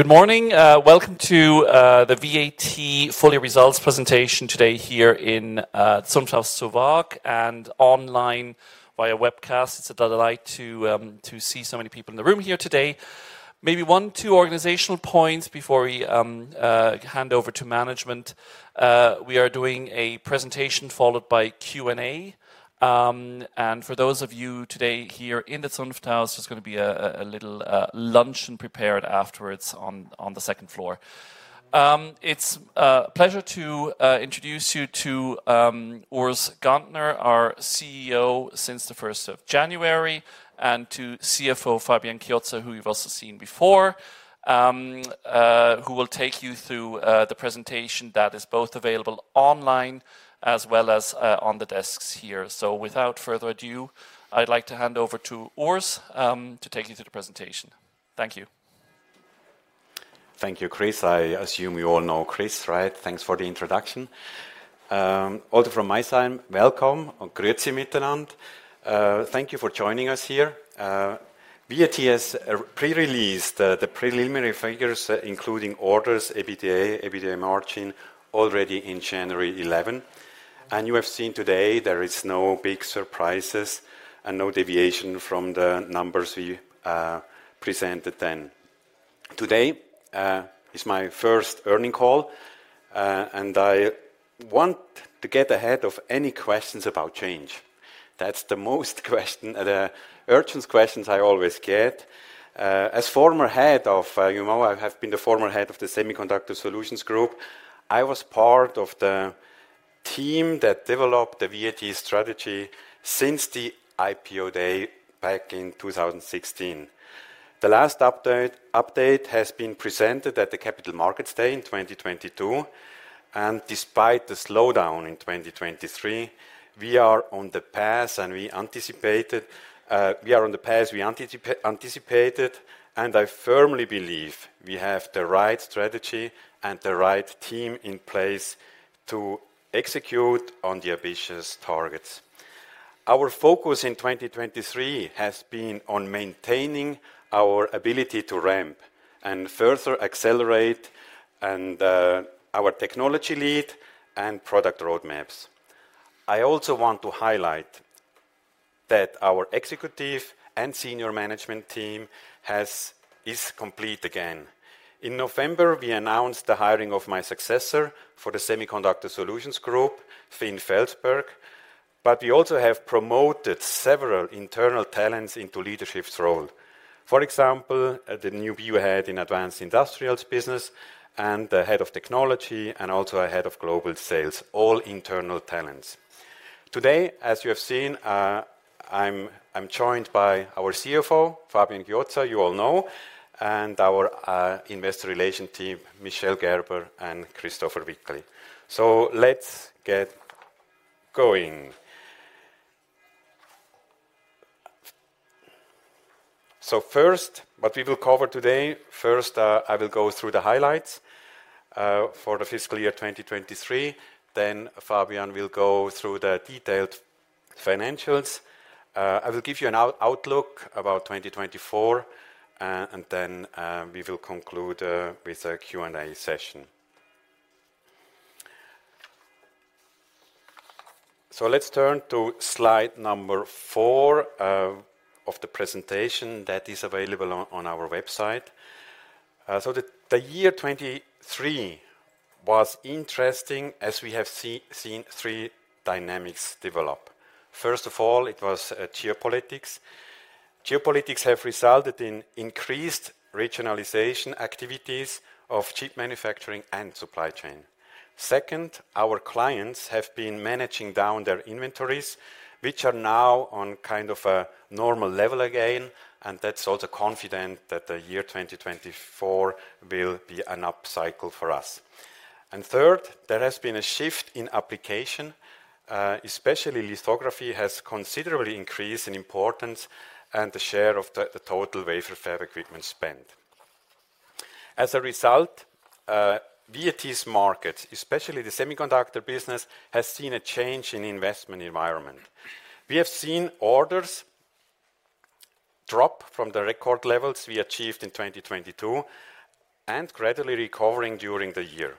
Good morning. Welcome to the VAT full-year results presentation today here in Zunfthaus zur Waag, and online via webcast. It's a delight to see so many people in the room here today. Maybe one, two organizational points before we hand over to management. We are doing a presentation followed by Q&A. For those of you today here in the Zunfthaus zur Waag, there's gonna be a little luncheon prepared afterwards on the second floor. It's a pleasure to introduce you to Urs Gantner, our CEO since the first of January, and to CFO Fabian Chiozza, who you've also seen before, who will take you through the presentation that is both available online as well as on the desks here. Without further ado, I'd like to hand over to Urs, to take you through the presentation. Thank you. Thank you, Chris. I assume you all know Chris, right? Thanks for the introduction. Also from my side, welcome, and grüezi miteinander. Thank you for joining us here. VAT has pre-released the preliminary figures, including orders, EBITDA, EBITDA margin, already in January 11. You have seen today there is no big surprises and no deviation from the numbers we presented then. Today is my first earnings call, and I want to get ahead of any questions about change. That's the urgent questions I always get. As former head of, you know, I have been the former head of the Semiconductor Solutions Group, I was part of the team that developed the VAT strategy since the IPO day back in 2016. The last update has been presented at the Capital Markets Day in 2022, and despite the slowdown in 2023, we are on the path, and we anticipated—we are on the path we anticipated, and I firmly believe we have the right strategy and the right team in place to execute on the ambitious targets. Our focus in 2023 has been on maintaining our ability to ramp and further accelerate and our technology lead and product roadmaps. I also want to highlight that our executive and senior management team has—is complete again. In November, we announced the hiring of my successor for the Semiconductor Solutions Group, Finn Felsberg, but we also have promoted several internal talents into leadership roles. For example, the new BU head in Advanced Industrials business, and the Head of Technology, and also our Head of Global Sales, all internal talents. Today, as you have seen, I'm joined by our CFO, Fabian Chiozza, you all know, and our investor relations team, Michel Gerber and Christopher Wickli. So let's get going. So first, what we will cover today, first, I will go through the highlights for the fiscal year 2023, then Fabian will go through the detailed financials. I will give you an outlook about 2024, and then we will conclude with a Q&A session. So let's turn to slide number four of the presentation that is available on our website. So the year 2023 was interesting as we have seen three dynamics develop. First of all, it was geopolitics. Geopolitics have resulted in increased regionalization activities of chip manufacturing and supply chain. Second, our clients have been managing down their inventories, which are now on kind of a normal level again, and that's also confident that the year 2024 will be an up cycle for us. And third, there has been a shift in application, especially lithography has considerably increased in importance and the share of the total wafer fab equipment spend. As a result, VAT's market, especially the semiconductor business, has seen a change in investment environment. We have seen orders drop from the record levels we achieved in 2022, and gradually recovering during the year.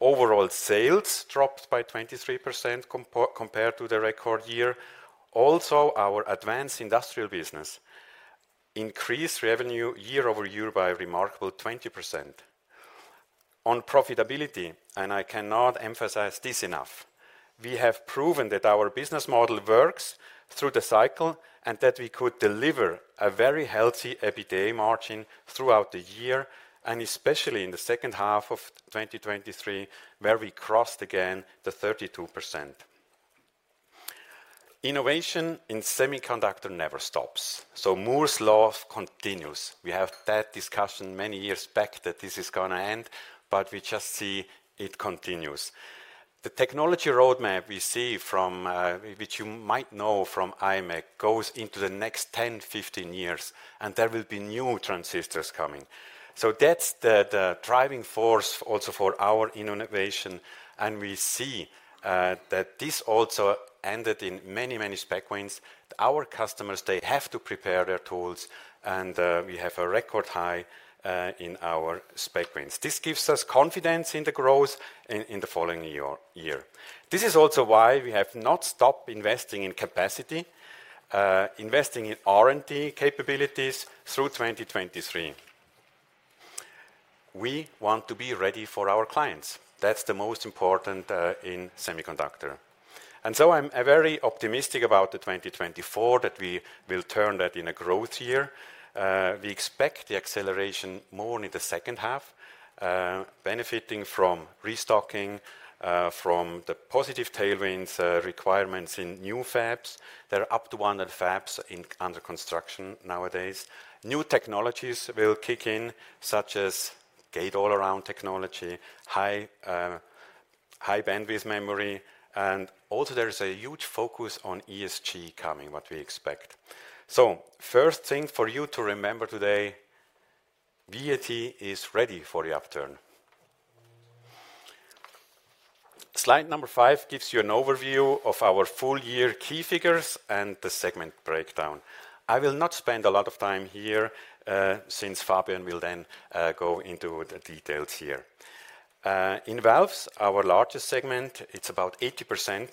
Overall, sales dropped by 23% compared to the record year. Also, our advanced industrial business increased revenue year-over-year by a remarkable 20%. On profitability, and I cannot emphasize this enough, we have proven that our business model works through the cycle, and that we could deliver a very healthy EBITDA margin throughout the year, and especially in the second half of 2023, where we crossed again the 32%. Innovation in semiconductor never stops, so Moore's Law continues. We have that discussion many years back that this is gonna end, but we just see it continues. The technology roadmap we see from, which you might know from IMEC, goes into the next 10, 15 years, and there will be new transistors coming. So that's the driving force also for our innovation, and we see that this also ended in many, many spec wins. Our customers, they have to prepare their tools, and we have a record high in our spec wins. This gives us confidence in the growth in the following year. This is also why we have not stopped investing in capacity, investing in R&D capabilities through 2023. We want to be ready for our clients. That's the most important in semiconductor. And so I'm very optimistic about the 2024, that we will turn that in a growth year. We expect the acceleration more in the second half, benefiting from restocking, from the positive tailwinds, requirements in new fabs. There are up to 100 fabs under construction nowadays. New technologies will kick in, such as Gate-All-Around technology, High Bandwidth Memory, and also there is a huge focus on ESG coming, what we expect. So first thing for you to remember today, VAT is ready for the upturn. Slide number five gives you an overview of our full year key figures and the segment breakdown. I will not spend a lot of time here, since Fabian will then go into the details here. In Valves, our largest segment, it's about 80%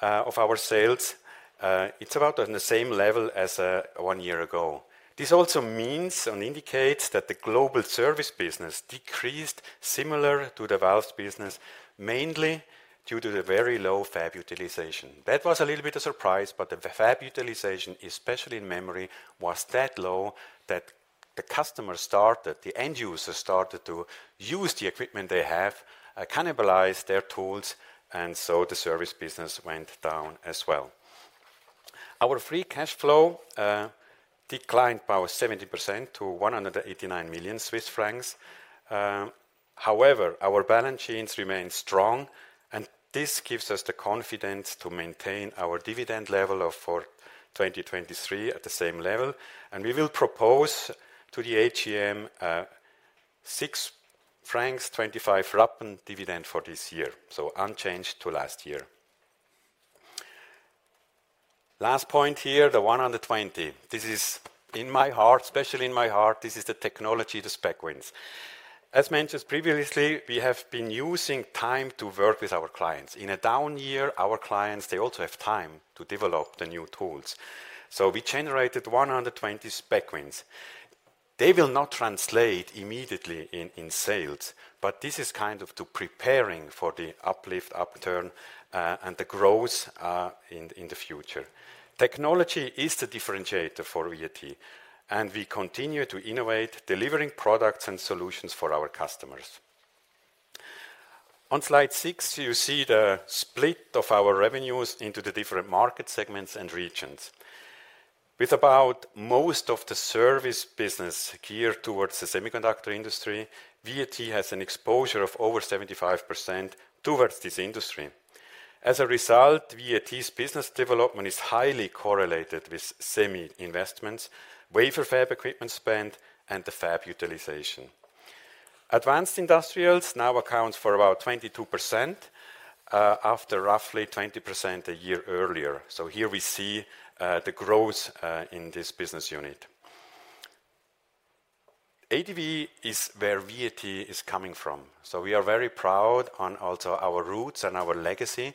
of our sales. It's about on the same level as one year ago. This also means and indicates that the Global Service business decreased similar to the Valves business, mainly due to the very low fab utilization. That was a little bit a surprise, but the fab utilization, especially in memory, was that low that the customer started, the end user started to use the equipment they have, cannibalized their tools, and so the service business went down as well. Our free cash flow declined by 70% to 189 million Swiss francs. However, our balance sheets remain strong, and this gives us the confidence to maintain our dividend level of for 2023 at the same level, and we will propose to the AGM, six francs, twenty-five Rappen dividend for this year, so unchanged to last year. Last point here, the 120. This is in my heart, especially in my heart, this is the technology, the spec wins. As mentioned previously, we have been using time to work with our clients. In a down year, our clients, they also have time to develop the new tools. So we generated 120 spec wins. They will not translate immediately in, in sales, but this is kind of to preparing for the uplift, upturn, and the growth, in, in the future. Technology is the differentiator for VAT, and we continue to innovate, delivering products and solutions for our customers. On Slide 6, you see the split of our revenues into the different market segments and regions. With about most of the service business geared towards the semiconductor industry, VAT has an exposure of over 75% towards this industry. As a result, VAT's business development is highly correlated with semi investments, wafer fab equipment spend, and the fab utilization. Advanced Industrials now account for about 22%, after roughly 20% a year earlier. So here we see, the growth, in this business unit. ADV is where VAT is coming from, so we are very proud on also our roots and our legacy.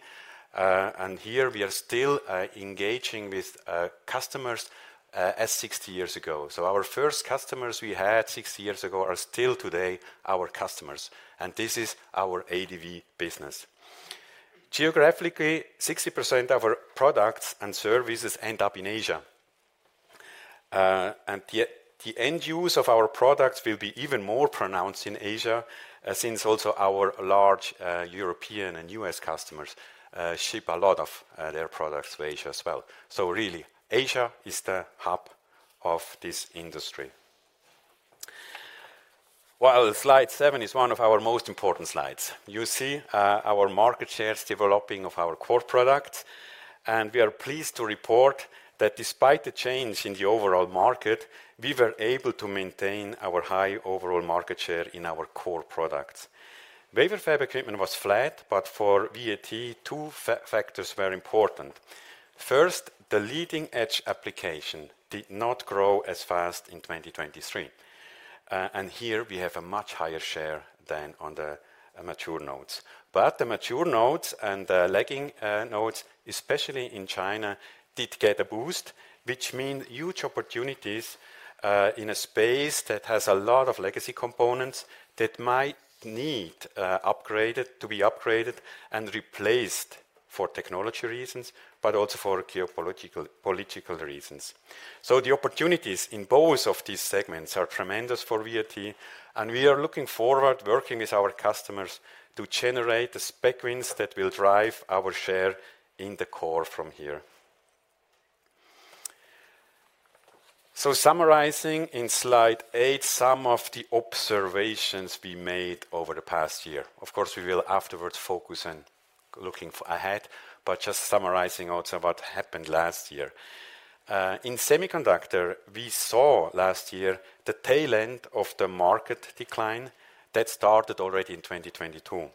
And here we are still, engaging with, customers, as 60 years ago. So our first customers we had 60 years ago are still today our customers, and this is our ADV business. Geographically, 60% of our products and services end up in Asia. And the end use of our products will be even more pronounced in Asia, since also our large European and U.S. customers ship a lot of their products to Asia as well. So really, Asia is the hub of this industry. Well, Slide 7 is one of our most important slides. You see our market shares developing of our core products, and we are pleased to report that despite the change in the overall market, we were able to maintain our high overall market share in our core products. Wafer fab equipment was flat, but for VAT, two factors were important. First, the leading-edge application did not grow as fast in 2023, and here we have a much higher share than on the mature nodes. But the mature nodes and the lagging nodes, especially in China, did get a boost, which means huge opportunities in a space that has a lot of legacy components that might need upgraded to be upgraded and replaced for technology reasons, but also for geopolitical, political reasons. So the opportunities in both of these segments are tremendous for VAT, and we are looking forward working with our customers to generate the spec wins that will drive our share in the core from here. So summarizing in slide 8, some of the observations we made over the past year. Of course, we will afterwards focus on looking ahead, but just summarizing also what happened last year. In semiconductor, we saw last year the tail end of the market decline that started already in 2022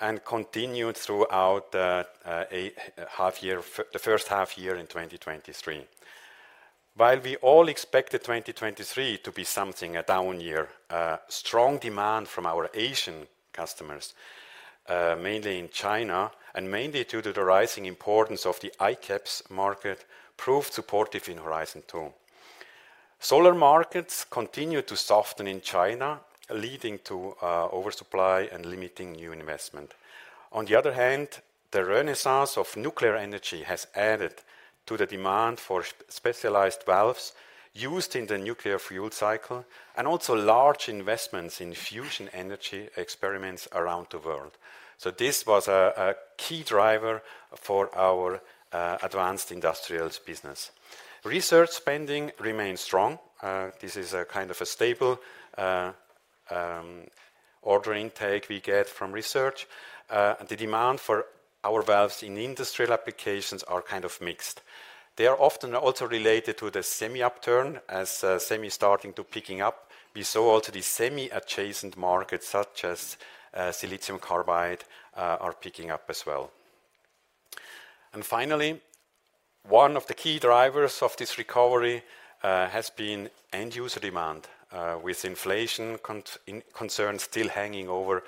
and continued throughout a half year, the first half year in 2023. While we all expected 2023 to be something, a down year, strong demand from our Asian customers, mainly in China, and mainly due to the rising importance of the ICAPS market, proved supportive in Horizon Two. Solar markets continued to soften in China, leading to oversupply and limiting new investment. On the other hand, the renaissance of nuclear energy has added to the demand for specialized Valves used in the nuclear fuel cycle, and also large investments in fusion energy experiments around the world. So this was a key driver for our Advanced Industrials business. Research spending remains strong. This is a kind of a stable order intake we get from research. The demand for our Valves in industrial applications are kind of mixed. They are often also related to the semi upturn, as semi starting to picking up. We saw also the semi-adjacent markets, such as silicon carbide, are picking up as well. And finally, one of the key drivers of this recovery has been end-user demand. With inflation concern still hanging over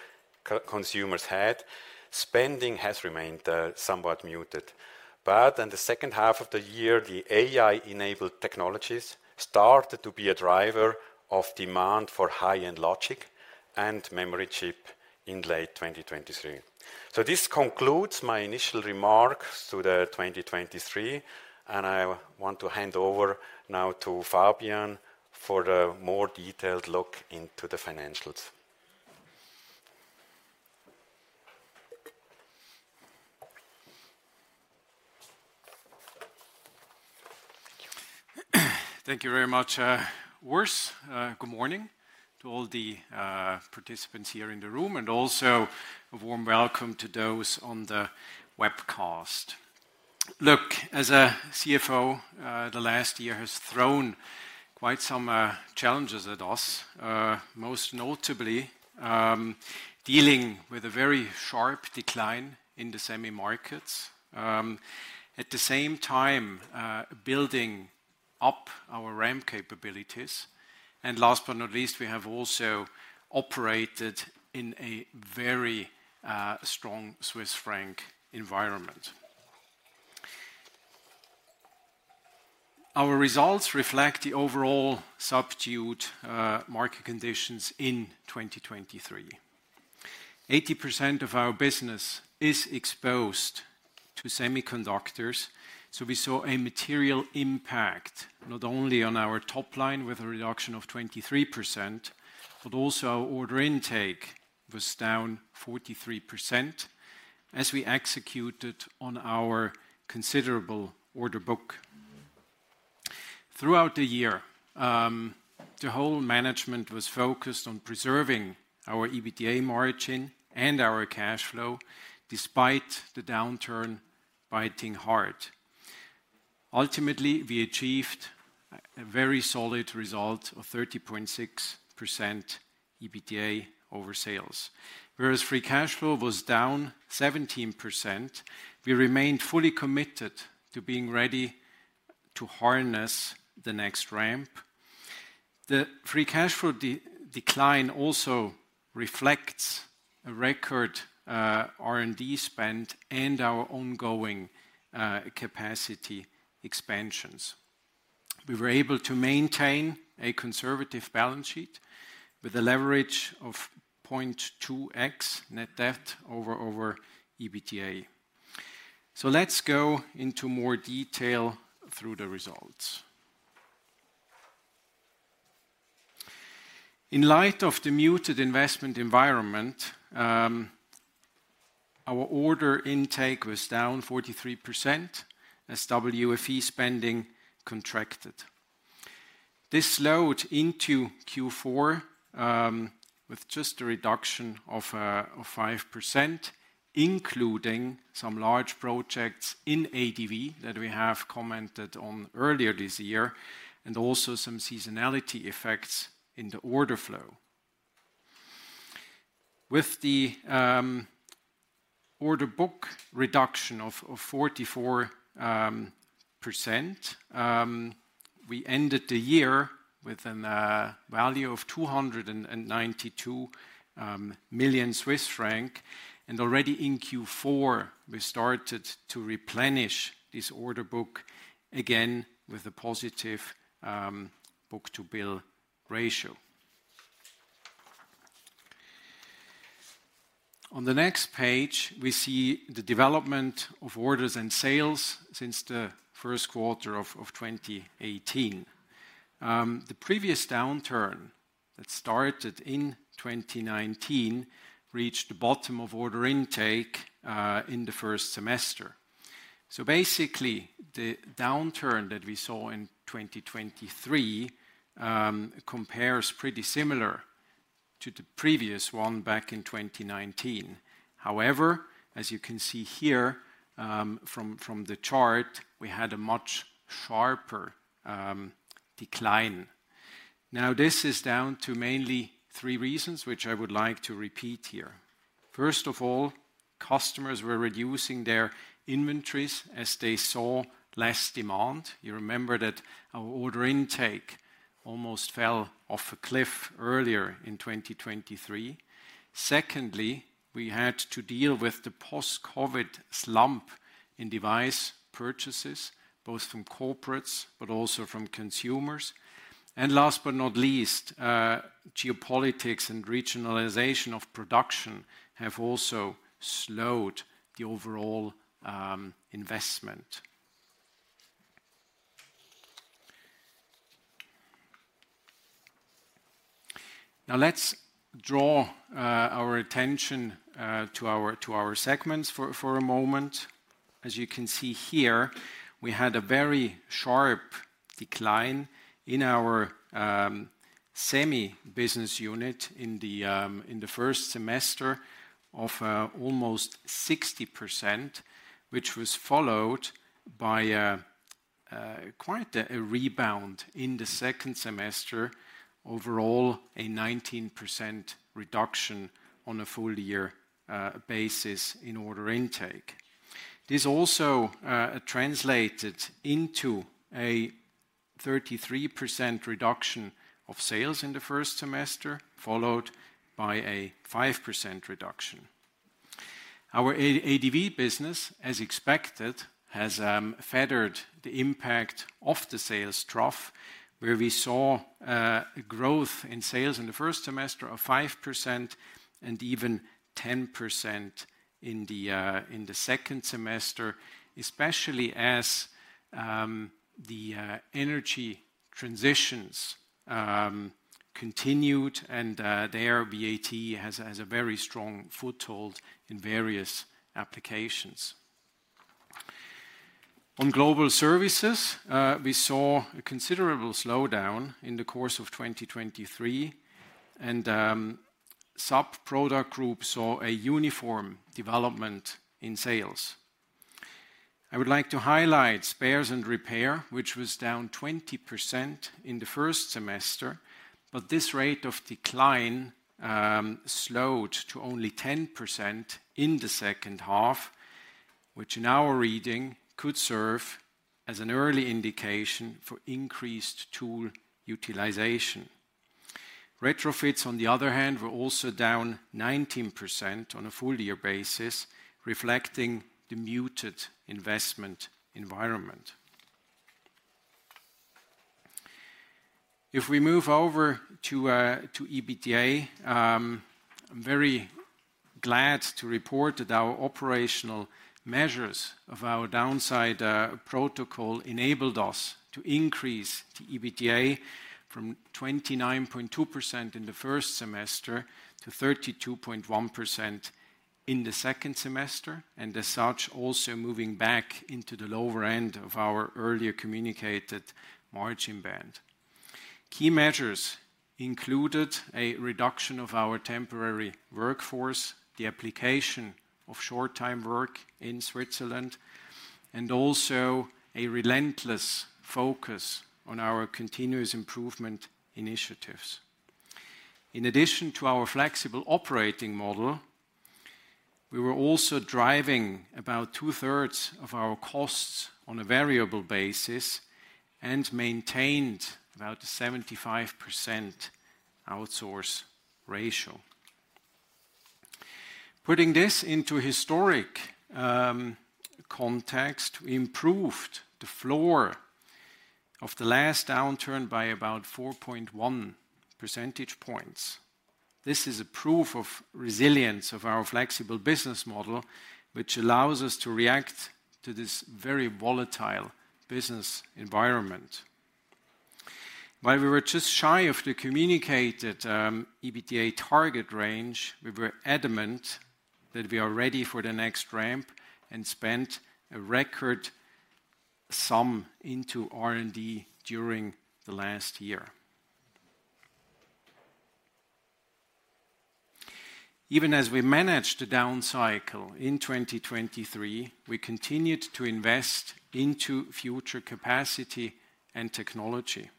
consumers' head, spending has remained somewhat muted. But in the second half of the year, the AI-enabled technologies started to be a driver of demand for high-end logic and memory chip in late 2023. So this concludes my initial remarks to the 2023, and I want to hand over now to Fabian for a more detailed look into the financials. Thank you very much, Urs. Good morning to all the participants here in the room, and also a warm welcome to those on the webcast. Look, as a CFO, the last year has thrown quite some challenges at us. Most notably, dealing with a very sharp decline in the semi markets. At the same time, building up our ramp capabilities, and last but not least, we have also operated in a very strong Swiss franc environment. Our results reflect the overall subdued market conditions in 2023. 80% of our business is exposed to semiconductors, so we saw a material impact, not only on our top line, with a reduction of 23%, but also our order intake was down 43% as we executed on our considerable order book. Throughout the year, the whole management was focused on preserving our EBITDA margin and our cash flow, despite the downturn biting hard. Ultimately, we achieved a very solid result of 30.6% EBITDA over sales. Whereas free cash flow was down 17%, we remained fully committed to being ready to harness the next ramp. The free cash flow decline also reflects a record R&D spend and our ongoing capacity expansions. We were able to maintain a conservative balance sheet with a leverage of 0.2x net debt over EBITDA. So let's go into more detail through the results. In light of the muted investment environment, our order intake was down 43% as WFE spending contracted. This slowed into Q4, with just a reduction of 5%, including some large projects in ADV that we have commented on earlier this year, and also some seasonality effects in the order flow. With the order book reduction of 44%, we ended the year with a value of 292 million Swiss franc, and already in Q4, we started to replenish this order book again with a positive book-to-bill ratio. On the next page, we see the development of orders and sales since the first quarter of 2018. The previous downturn that started in 2019 reached the bottom of order intake in the first semester. So basically, the downturn that we saw in 2023 compares pretty similar to the previous one back in 2019. However, as you can see here, from the chart, we had a much sharper decline. Now, this is down to mainly three reasons, which I would like to repeat here. First of all, customers were reducing their inventories as they saw less demand. You remember that our order intake almost fell off a cliff earlier in 2023. Secondly, we had to deal with the post-COVID slump in device purchases, both from corporates but also from consumers. And last but not least, geopolitics and regionalization of production have also slowed the overall investment. Now, let's draw our attention to our segments for a moment. As you can see here, we had a very sharp decline in our semi business unit in the first semester of almost 60%, which was followed by quite a rebound in the second semester. Overall, a 19% reduction on a full year basis in order intake. This also translated into a 33% reduction of sales in the first semester, followed by a 5% reduction. Our ADV business, as expected, has feathered the impact of the sales trough, where we saw growth in sales in the first semester of 5% and even 10% in the second semester, especially as the energy transitions continued, and there VAT has a very strong foothold in various applications. On Global Service, we saw a considerable slowdown in the course of 2023, and sub-product group saw a uniform development in sales. I would like to highlight spares and repair, which was down 20% in the first semester, but this rate of decline slowed to only 10% in the second half, which in our reading could serve as an early indication for increased tool utilization. Retrofits, on the other hand, were also down 19% on a full year basis, reflecting the muted investment environment. If we move over to EBITDA, I'm very glad to report that our operational measures of our downside protocol enabled us to increase the EBITDA from 29.2% in the first semester to 32.1% in the second semester, and as such, also moving back into the lower end of our earlier communicated margin band. Key measures included a reduction of our temporary workforce, the application of short-time work in Switzerland, and also a relentless focus on our continuous improvement initiatives. In addition to our flexible operating model, we were also driving about 2/3 of our costs on a variable basis and maintained about a 75% outsource ratio. Putting this into historic context, we improved the floor of the last downturn by about 4.1 percentage points. This is a proof of resilience of our flexible business model, which allows us to react to this very volatile business environment. While we were just shy of the communicated EBITDA target range, we were adamant that we are ready for the next ramp and spent a record sum into R&D during the last year. Even as we managed the down cycle in 2023, we continued to invest into future capacity and technology.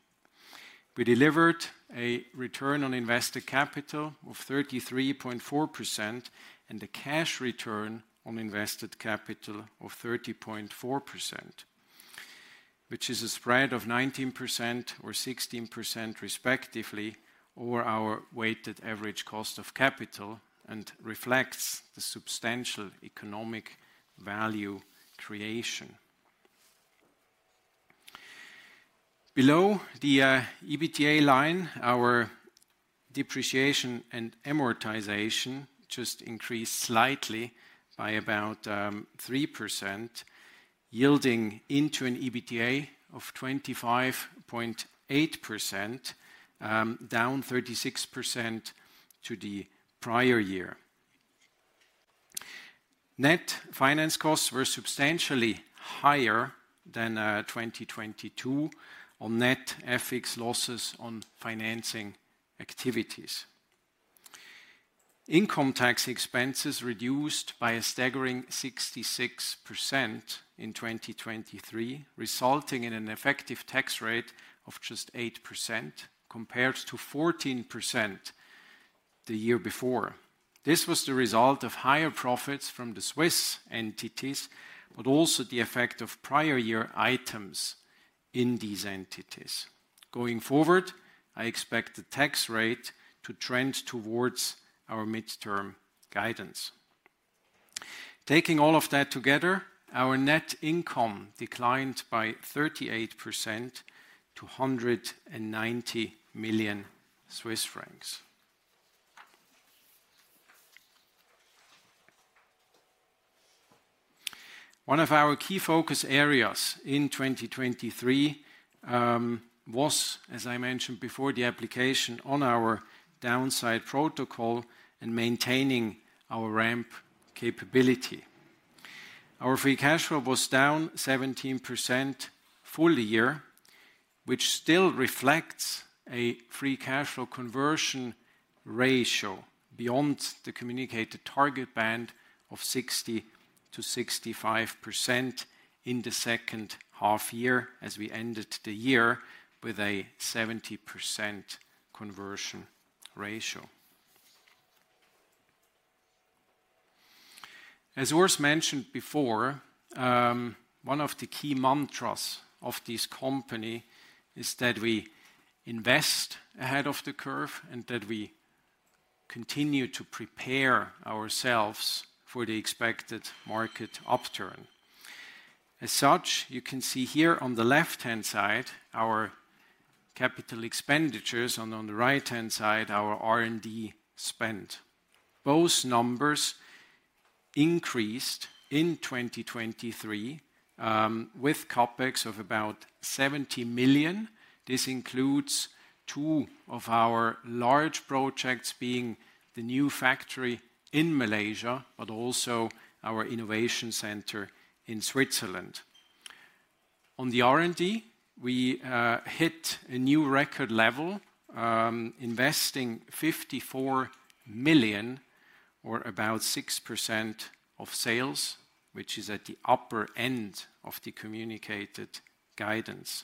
We delivered a return on invested capital of 33.4% and a cash return on invested capital of 30.4%, which is a spread of 19% or 16% respectively, over our weighted average cost of capital and reflects the substantial economic value creation. Below the EBITDA line, our depreciation and amortization just increased slightly by about 3%, yielding into an EBITDA of 25.8%, down 36% to the prior year. Net finance costs were substantially higher than 2022 on net FX losses on financing activities. Income tax expenses reduced by a staggering 66% in 2023, resulting in an effective tax rate of just 8%, compared to 14% the year before. This was the result of higher profits from the Swiss entities, but also the effect of prior year items in these entities. Going forward, I expect the tax rate to trend towards our midterm guidance. Taking all of that together, our net income declined by 38% to 190 million CHF. One of our key focus areas in 2023 was, as I mentioned before, the application on our downside protocol and maintaining our ramp capability. Our free cash flow was down 17% full year, which still reflects a free cash flow conversion ratio beyond the communicated target band of 60% to 65% in the second half year, as we ended the year with a 70% conversion ratio. As Urs mentioned before, one of the key mantras of this company is that we invest ahead of the curve, and that we continue to prepare ourselves for the expected market upturn. As such, you can see here on the left-hand side, our capital expenditures, and on the right-hand side, our R&D spend. Both numbers increased in 2023, with CapEx of about 70 million. This includes two of our large projects, being the new factory in Malaysia, but also our innovation center in Switzerland. On the R&D, we hit a new record level, investing 54 million, or about 6% of sales, which is at the upper end of the communicated guidance.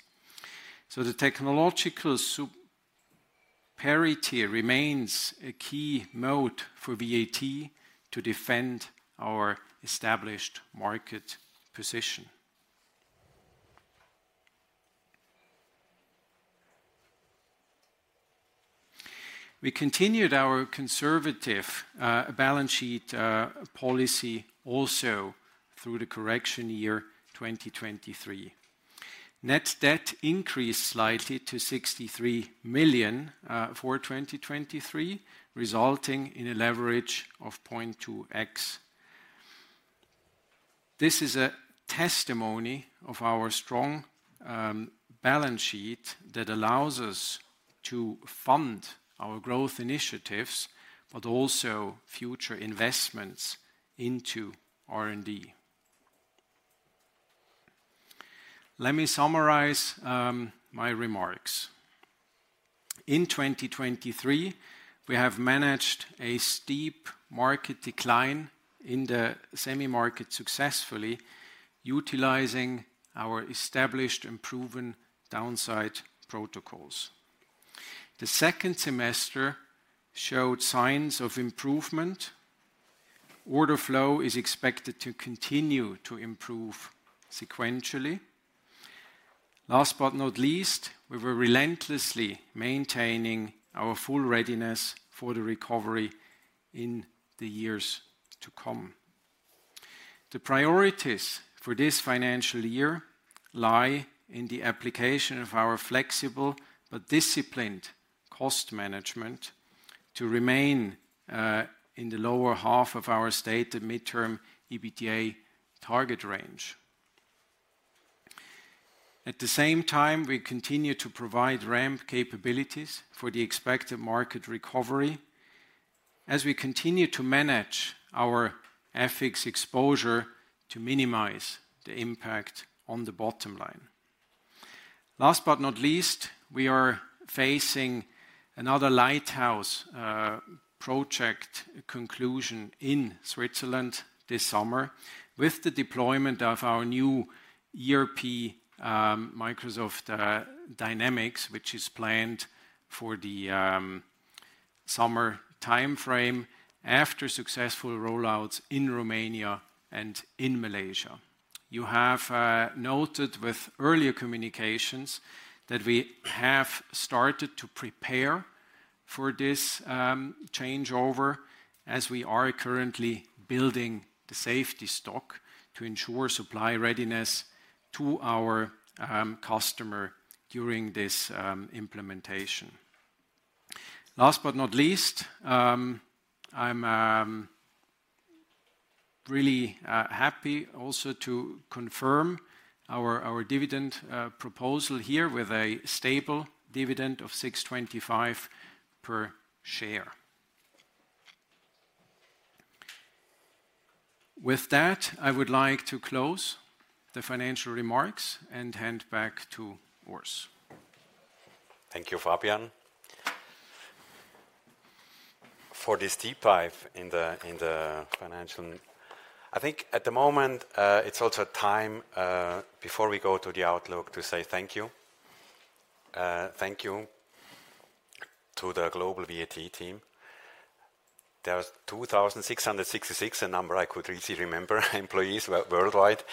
So the technological superiority remains a key moat for VAT to defend our established market position. We continued our conservative balance sheet policy also through the correction year 2023. Net debt increased slightly to 63 million for 2023, resulting in a leverage of 0.2x. This is a testimony of our strong balance sheet that allows us to fund our growth initiatives, but also future investments into R&D. Let me summarize my remarks. In 2023, we have managed a steep market decline in the semi market successfully, utilizing our established and proven downside protocols. The second semester showed signs of improvement. Order flow is expected to continue to improve sequentially. Last but not least, we were relentlessly maintaining our full readiness for the recovery in the years to come. The priorities for this financial year lie in the application of our flexible but disciplined cost management to remain in the lower half of our stated midterm EBITDA target range. At the same time, we continue to provide ramp capabilities for the expected market recovery as we continue to manage our FX exposure to minimize the impact on the bottom line. Last but not least, we are facing another lighthouse project conclusion in Switzerland this summer with the deployment of our new ERP, Microsoft Dynamics, which is planned for the summer timeframe after successful rollouts in Romania and in Malaysia. You have noted with earlier communications that we have started to prepare for this changeover, as we are currently building the safety stock to ensure supply readiness to our customer during this implementation. Last but not least, I'm really happy also to confirm our dividend proposal here with a stable dividend of 6.25 CHF per share. With that, I would like to close the financial remarks and hand back to Urs. Thank you, Fabian, for this deep dive in the financial. I think at the moment, it's also time, before we go to the outlook, to say thank you. Thank you to the global VAT team. There was 2,666, a number I could easily remember, employees worldwide.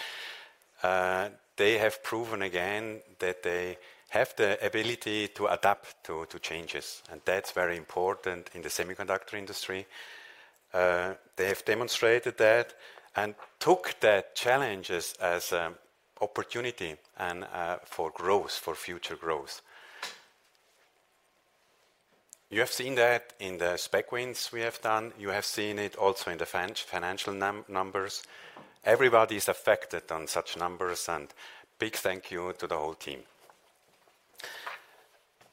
They have proven again that they have the ability to adapt to changes, and that's very important in the semiconductor industry. They have demonstrated that and took the challenges as opportunity and for growth, for future growth. You have seen that in the spec wins we have done. You have seen it also in the financial numbers. Everybody is affected on such numbers, and big thank you to the whole team.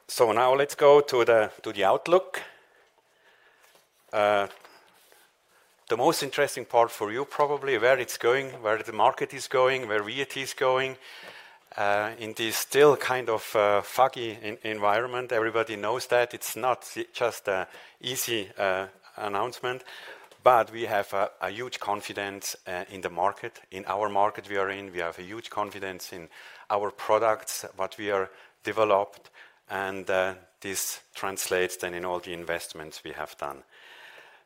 So now let's go to the outlook. The most interesting part for you, probably, where it's going, where the market is going, where VAT is going, in this still kind of foggy environment. Everybody knows that it's not just an easy announcement, but we have a huge confidence in the market, in our market we are in. We have a huge confidence in our products, what we are developed, and this translates then in all the investments we have done.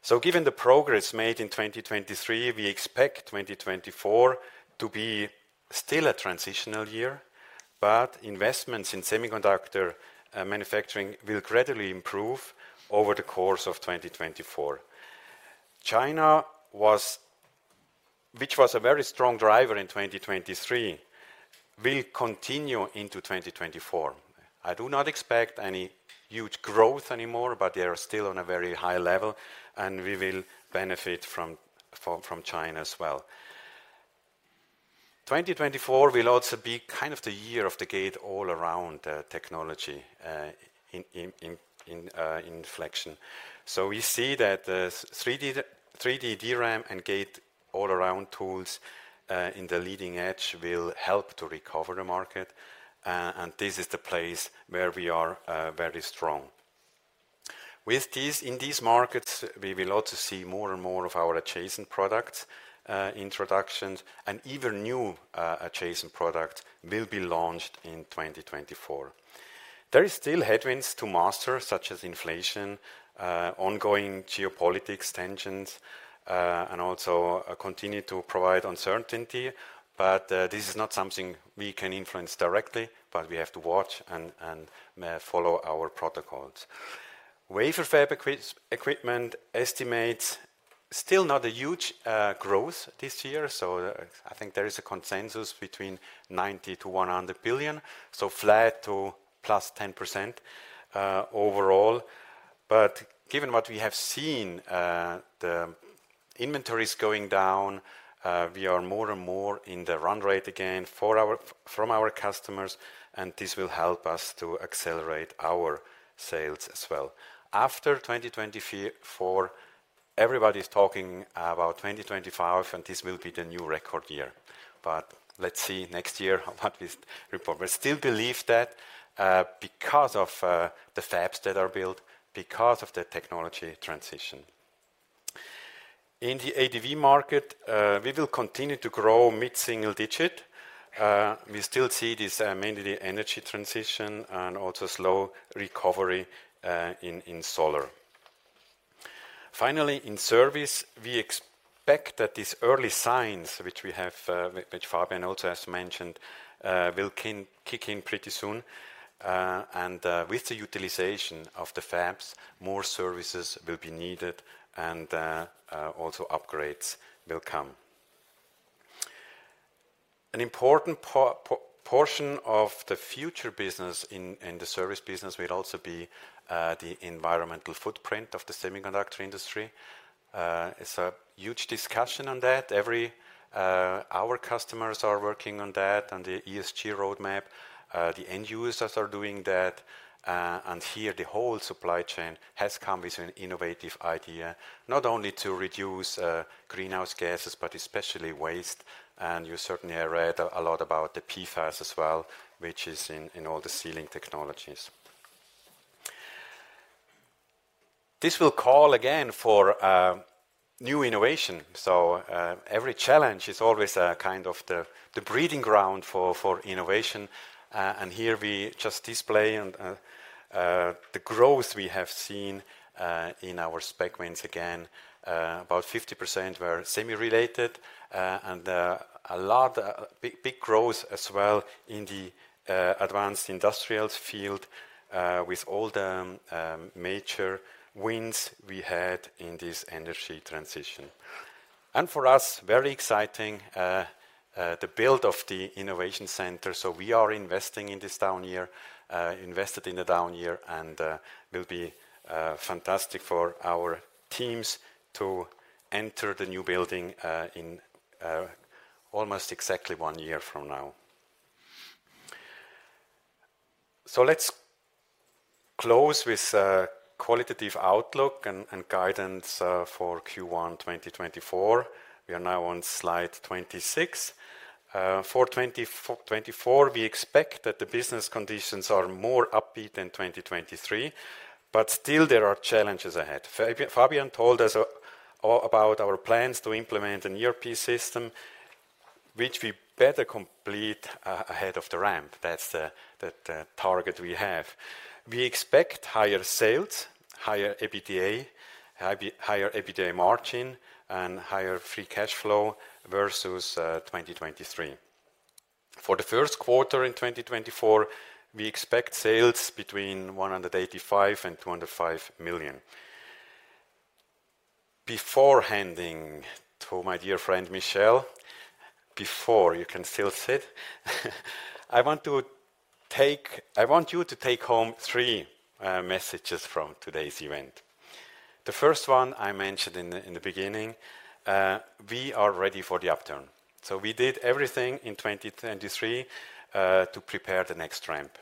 So given the progress made in 2023, we expect 2024 to be still a transitional year, but investments in semiconductor manufacturing will gradually improve over the course of 2024. China, which was a very strong driver in 2023, will continue into 2024. I do not expect any huge growth anymore, but they are still on a very high level, and we will benefit from China as well. 2024 will also be kind of the year of the Gate-All-Around technology in inflection. So we see that the 3D DRAM and Gate-All-Around tools in the leading-edge will help to recover the market, and this is the place where we are very strong. In these markets, we will also see more and more of our adjacent products introductions, and even new adjacent products will be launched in 2024. There is still headwinds to master, such as inflation, ongoing geopolitical tensions, and also continue to provide uncertainty, but this is not something we can influence directly, but we have to watch and follow our protocols. Wafer fab equipment estimates, still not a huge growth this year, so I think there is a consensus between $90 billion to $100 billion, so flat to +10%, overall. But given what we have seen, the inventories going down, we are more and more in the run rate again from our customers, and this will help us to accelerate our sales as well. After 2024, everybody's talking about 2025, and this will be the new record year. But let's see next year what we report. We still believe that, because of, the fabs that are built, because of the technology transition. In the ADV market, we will continue to grow mid-single digit. We still see this, mainly the energy transition and also slow recovery, in solar. Finally, in service, we expect that these early signs, which we have, which Fabian also has mentioned, will kick in pretty soon, and, with the utilization of the fabs, more services will be needed, and, also upgrades will come. An important portion of the future business in, the service business will also be, the environmental footprint of the semiconductor industry. It's a huge discussion on that. Our customers are working on that, on the ESG roadmap. The end users are doing that, and here, the whole supply chain has come with an innovative idea, not only to reduce greenhouse gases, but especially waste. And you certainly have read a lot about the PFAS as well, which is in all the sealing technologies. This will call again for new innovation. So, every challenge is always kind of the breeding ground for innovation, and here we just display and the growth we have seen in our spec wins again. About 50% were semi-related, and a lot big big growth as well in the Advanced Industrials field with all the major wins we had in this energy transition. And for us, very exciting, the build of the innovation center. So we are investing in this down year, invested in the down year, and will be fantastic for our teams to enter the new building, in almost exactly one year from now. So let's close with a qualitative outlook and guidance for Q1 2024. We are now on Slide 26. For 2024, we expect that the business conditions are more upbeat than 2023, but still there are challenges ahead. Fabian told us about our plans to implement an ERP system, which we better complete ahead of the ramp. That's the target we have. We expect higher sales, higher EBITDA, higher EBITDA margin, and higher free cash flow versus 2023. For the first quarter in 2024, we expect sales between 185 million and 205 million. Before handing to my dear friend, Michel, before, you can still sit, I want you to take home three messages from today's event. The first one I mentioned in the beginning, we are ready for the upturn. So we did everything in 2023 to prepare the next ramp.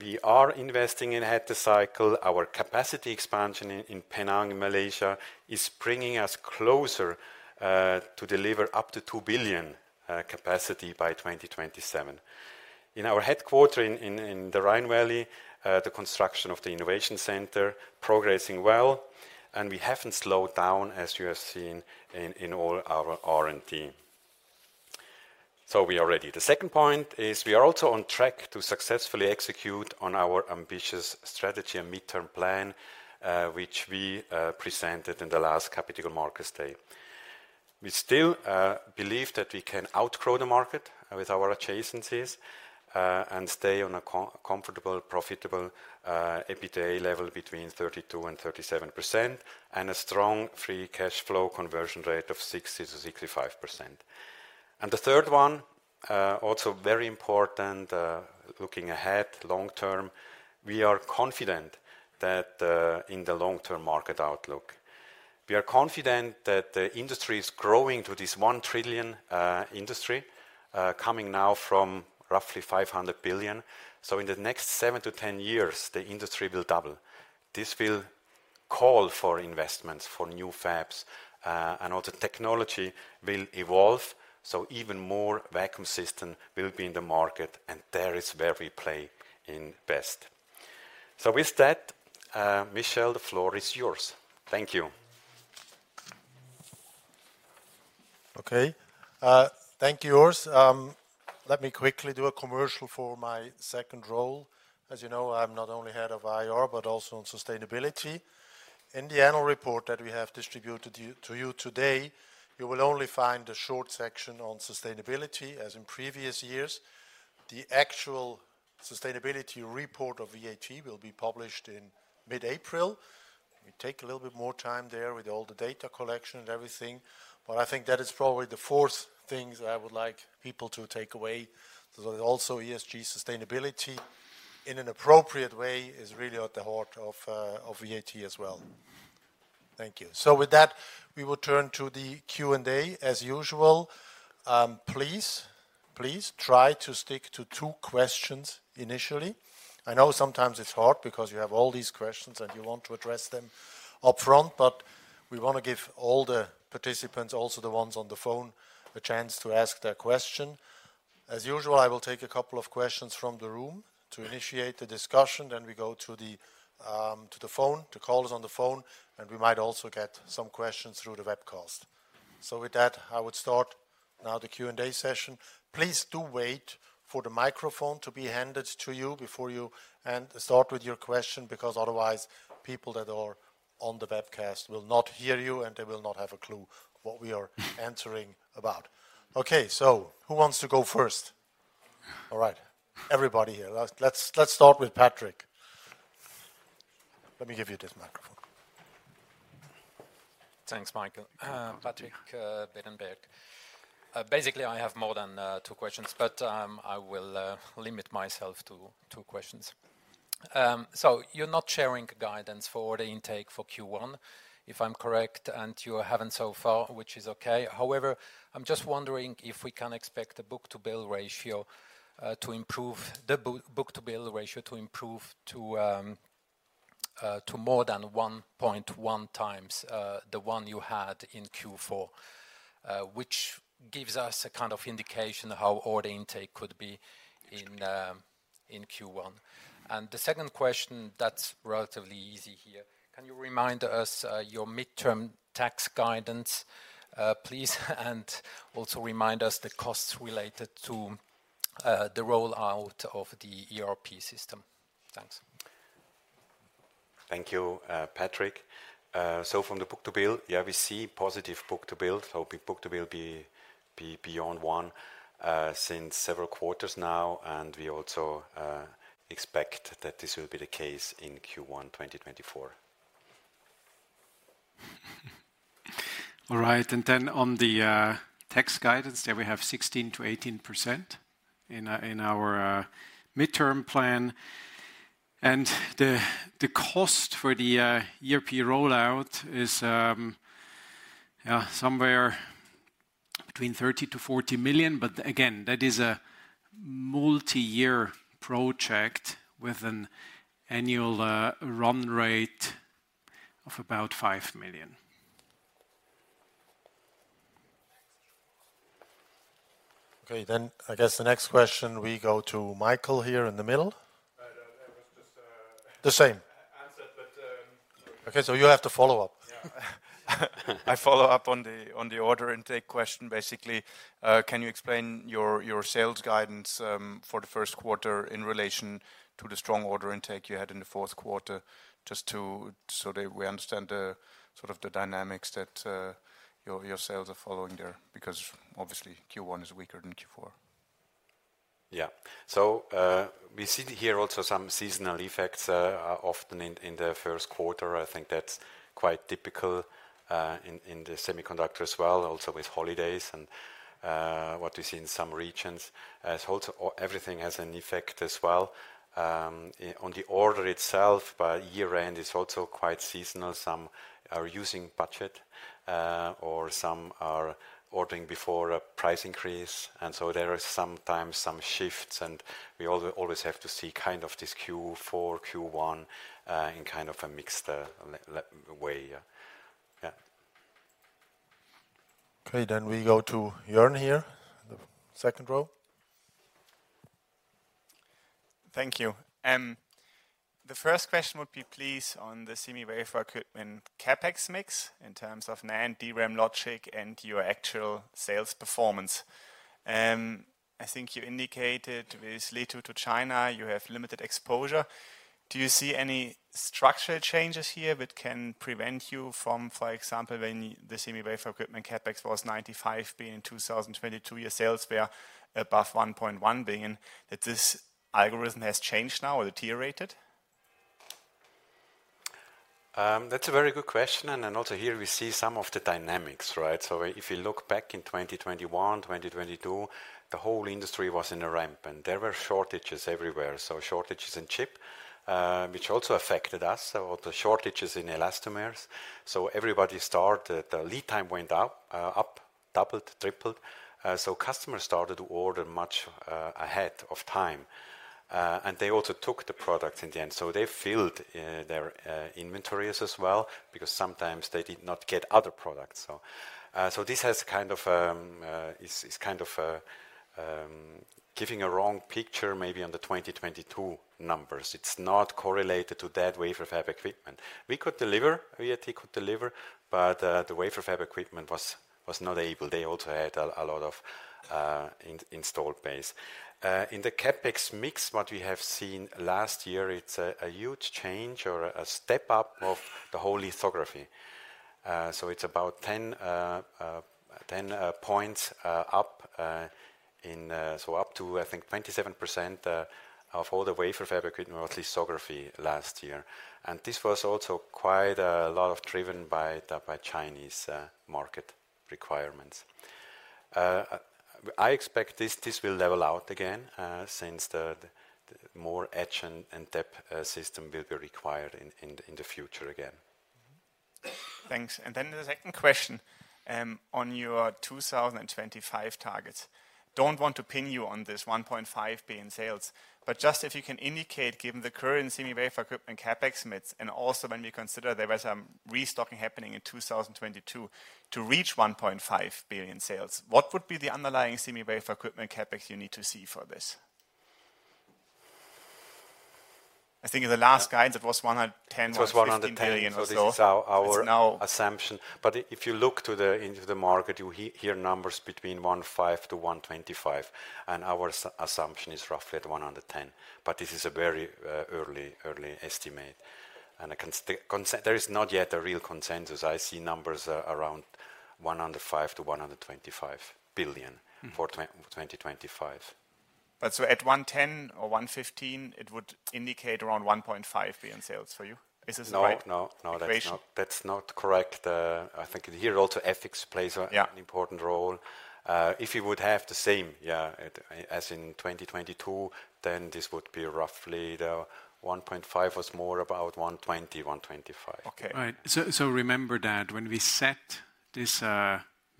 We are investing in ahead the cycle. Our capacity expansion in Penang, in Malaysia, is bringing us closer to deliver up to 2 billion capacity by 2027. In our headquarters in the Rhine Valley, the construction of the innovation center progressing well, and we haven't slowed down, as you have seen in all our R&D. So we are ready. The second point is, we are also on track to successfully execute on our ambitious strategy and midterm plan, which we presented in the last capital markets day. We still believe that we can outgrow the market with our adjacencies and stay on a comfortable, profitable EBITDA level between 32% to 37%, and a strong free cash flow conversion rate of 60% to 65%. And the third one, also very important, looking ahead long-term, we are confident that in the long-term market outlook. We are confident that the industry is growing to this $1 trillion industry, coming now from roughly $500 billion. So in the next seven to 10 years, the industry will double. This will call for investments, for new fabs, and also technology will evolve, so even more vacuum system will be in the market, and there is where we play in best. So with that, Michel, the floor is yours. Thank you. Okay. Thank you, Urs. Let me quickly do a commercial for my second role. As you know, I'm not only head of IR, but also on sustainability. In the annual report that we have distributed to you, to you today, you will only find a short section on sustainability, as in previous years. The actual sustainability report of VAT will be published in mid-April. We take a little bit more time there with all the data collection and everything, but I think that is probably the fourth things that I would like people to take away. So also, ESG sustainability, in an appropriate way, is really at the heart of, of VAT as well. Thank you. So with that, we will turn to the Q&A. As usual, please, please try to stick to two questions initially. I know sometimes it's hard because you have all these questions, and you want to address them upfront, but we wanna give all the participants, also the ones on the phone, a chance to ask their question. As usual, I will take a couple of questions from the room to initiate the discussion, then we go to the phone, to callers on the phone, and we might also get some questions through the webcast. So with that, I would start now the Q&A session. Please do wait for the microphone to be handed to you before you start with your question, because otherwise, people that are on the webcast will not hear you, and they will not have a clue what we are answering about. Okay, so who wants to go first? All right, everybody here. Let's start with Patrick. Let me give you this microphone. Thanks, Michael. Patrick, Barclays. Basically, I have more than two questions, but I will limit myself to two questions. So you're not sharing guidance for the intake for Q1, if I'm correct, and you haven't so far, which is okay. However, I'm just wondering if we can expect the book-to-bill ratio to improve, the book-to-bill ratio to improve to more than 1.1 times, the one you had in Q4, which gives us a kind of indication of how order intake could be in Q1. And the second question, that's relatively easy here: Can you remind us your midterm tax guidance, please? And also remind us the costs related to the rollout of the ERP system. Thanks. Thank you, Patrick. So from the book-to-bill, yeah, we see positive book-to-bill. So book-to-bill has been beyond one since several quarters now, and we also expect that this will be the case in Q1 2024. All right, and then on the tax guidance, there we have 16% to 18% in our midterm plan. The cost for the ERP rollout is, yeah, somewhere between 30 million and 40 million, but again, that is a multi-year project with an annual run rate of about CHF 5 million. Okay, then I guess the next question. We go to Michael here in the middle.... The same? Answer, but, sorry. Okay, so you'll have to follow up. Yeah. I follow up on the order intake question. Basically, can you explain your sales guidance for the first quarter in relation to the strong order intake you had in the fourth quarter? Just so that we understand the sort of the dynamics that your sales are following there, because obviously Q1 is weaker than Q4. Yeah. So, we see here also some seasonal effects, often in the first quarter. I think that's quite typical, in the semiconductor as well, also with holidays and what we see in some regions. So also, everything has an effect as well. On the order itself, by year-end, is also quite seasonal. Some are using budget, or some are ordering before a price increase, and so there are sometimes some shifts, and we always have to see kind of this Q4, Q1, in kind of a mixed way. Yeah. Okay, then we go to Jörn here, the second row. Thank you. The first question would be, please, on the semi wafer equipment CapEx mix in terms of NAND, DRAM, logic, and your actual sales performance. I think you indicated with regard to China, you have limited exposure. Do you see any structural changes here that can prevent you from, for example, when the semi wafer equipment CapEx was $95 billion in 2022, your sales were above $1.1 billion, that this algorithm has changed now or deteriorated? That's a very good question, and then also here we see some of the dynamics, right? So if you look back in 2021, 2022, the whole industry was in a ramp, and there were shortages everywhere. So shortages in chip, which also affected us, or the shortages in elastomers. So everybody started. The lead time went up, doubled, tripled. So customers started to order much ahead of time, and they also took the product in the end. So they filled their inventories as well, because sometimes they did not get other products. So this is kind of giving a wrong picture maybe on the 2022 numbers. It's not correlated to that wafer fab equipment. We could deliver, VAT could deliver, but the Wafer Fab Equipment was not able. They also had a lot of installed base. In the CapEx mix, what we have seen last year, it's a huge change or a step up of the whole lithography. So it's about 10 points up. So up to, I think, 27% of all the Wafer Fab Equipment was lithography last year. And this was also quite a lot driven by the Chinese market requirements. I expect this will level out again since the more etch and Dep system will be required in the future again. Thanks. And then the second question on your 2025 targets. Don't want to pin you on this 1.5 billion sales, but just if you can indicate, given the current semi wafer equipment CapEx mix, and also when we consider there was some restocking happening in 2022, to reach 1.5 billion sales, what would be the underlying semi wafer equipment CapEx you need to see for this? I think in the last guide, it was $110 billion to $115 billion or so. It was 110. So it's now- Our assumption, but if you look into the market, you hear numbers between $15-$125 billion, and our assumption is roughly at $110 billion. But this is a very early estimate, and there is not yet a real consensus. I see numbers around $105-$125 billion. Mm-hmm... for 2025. But so at 1.10 or 1.15, it would indicate around 1.5 billion sales for you? Is this right? No, no, no- -equation?... that's not, that's not correct. I think here also FX plays- Yeah... an important role. If you would have the same, as in 2022, then this would be roughly the 1.5 or more, about 120, 125. Okay. Right. So remember that when we set this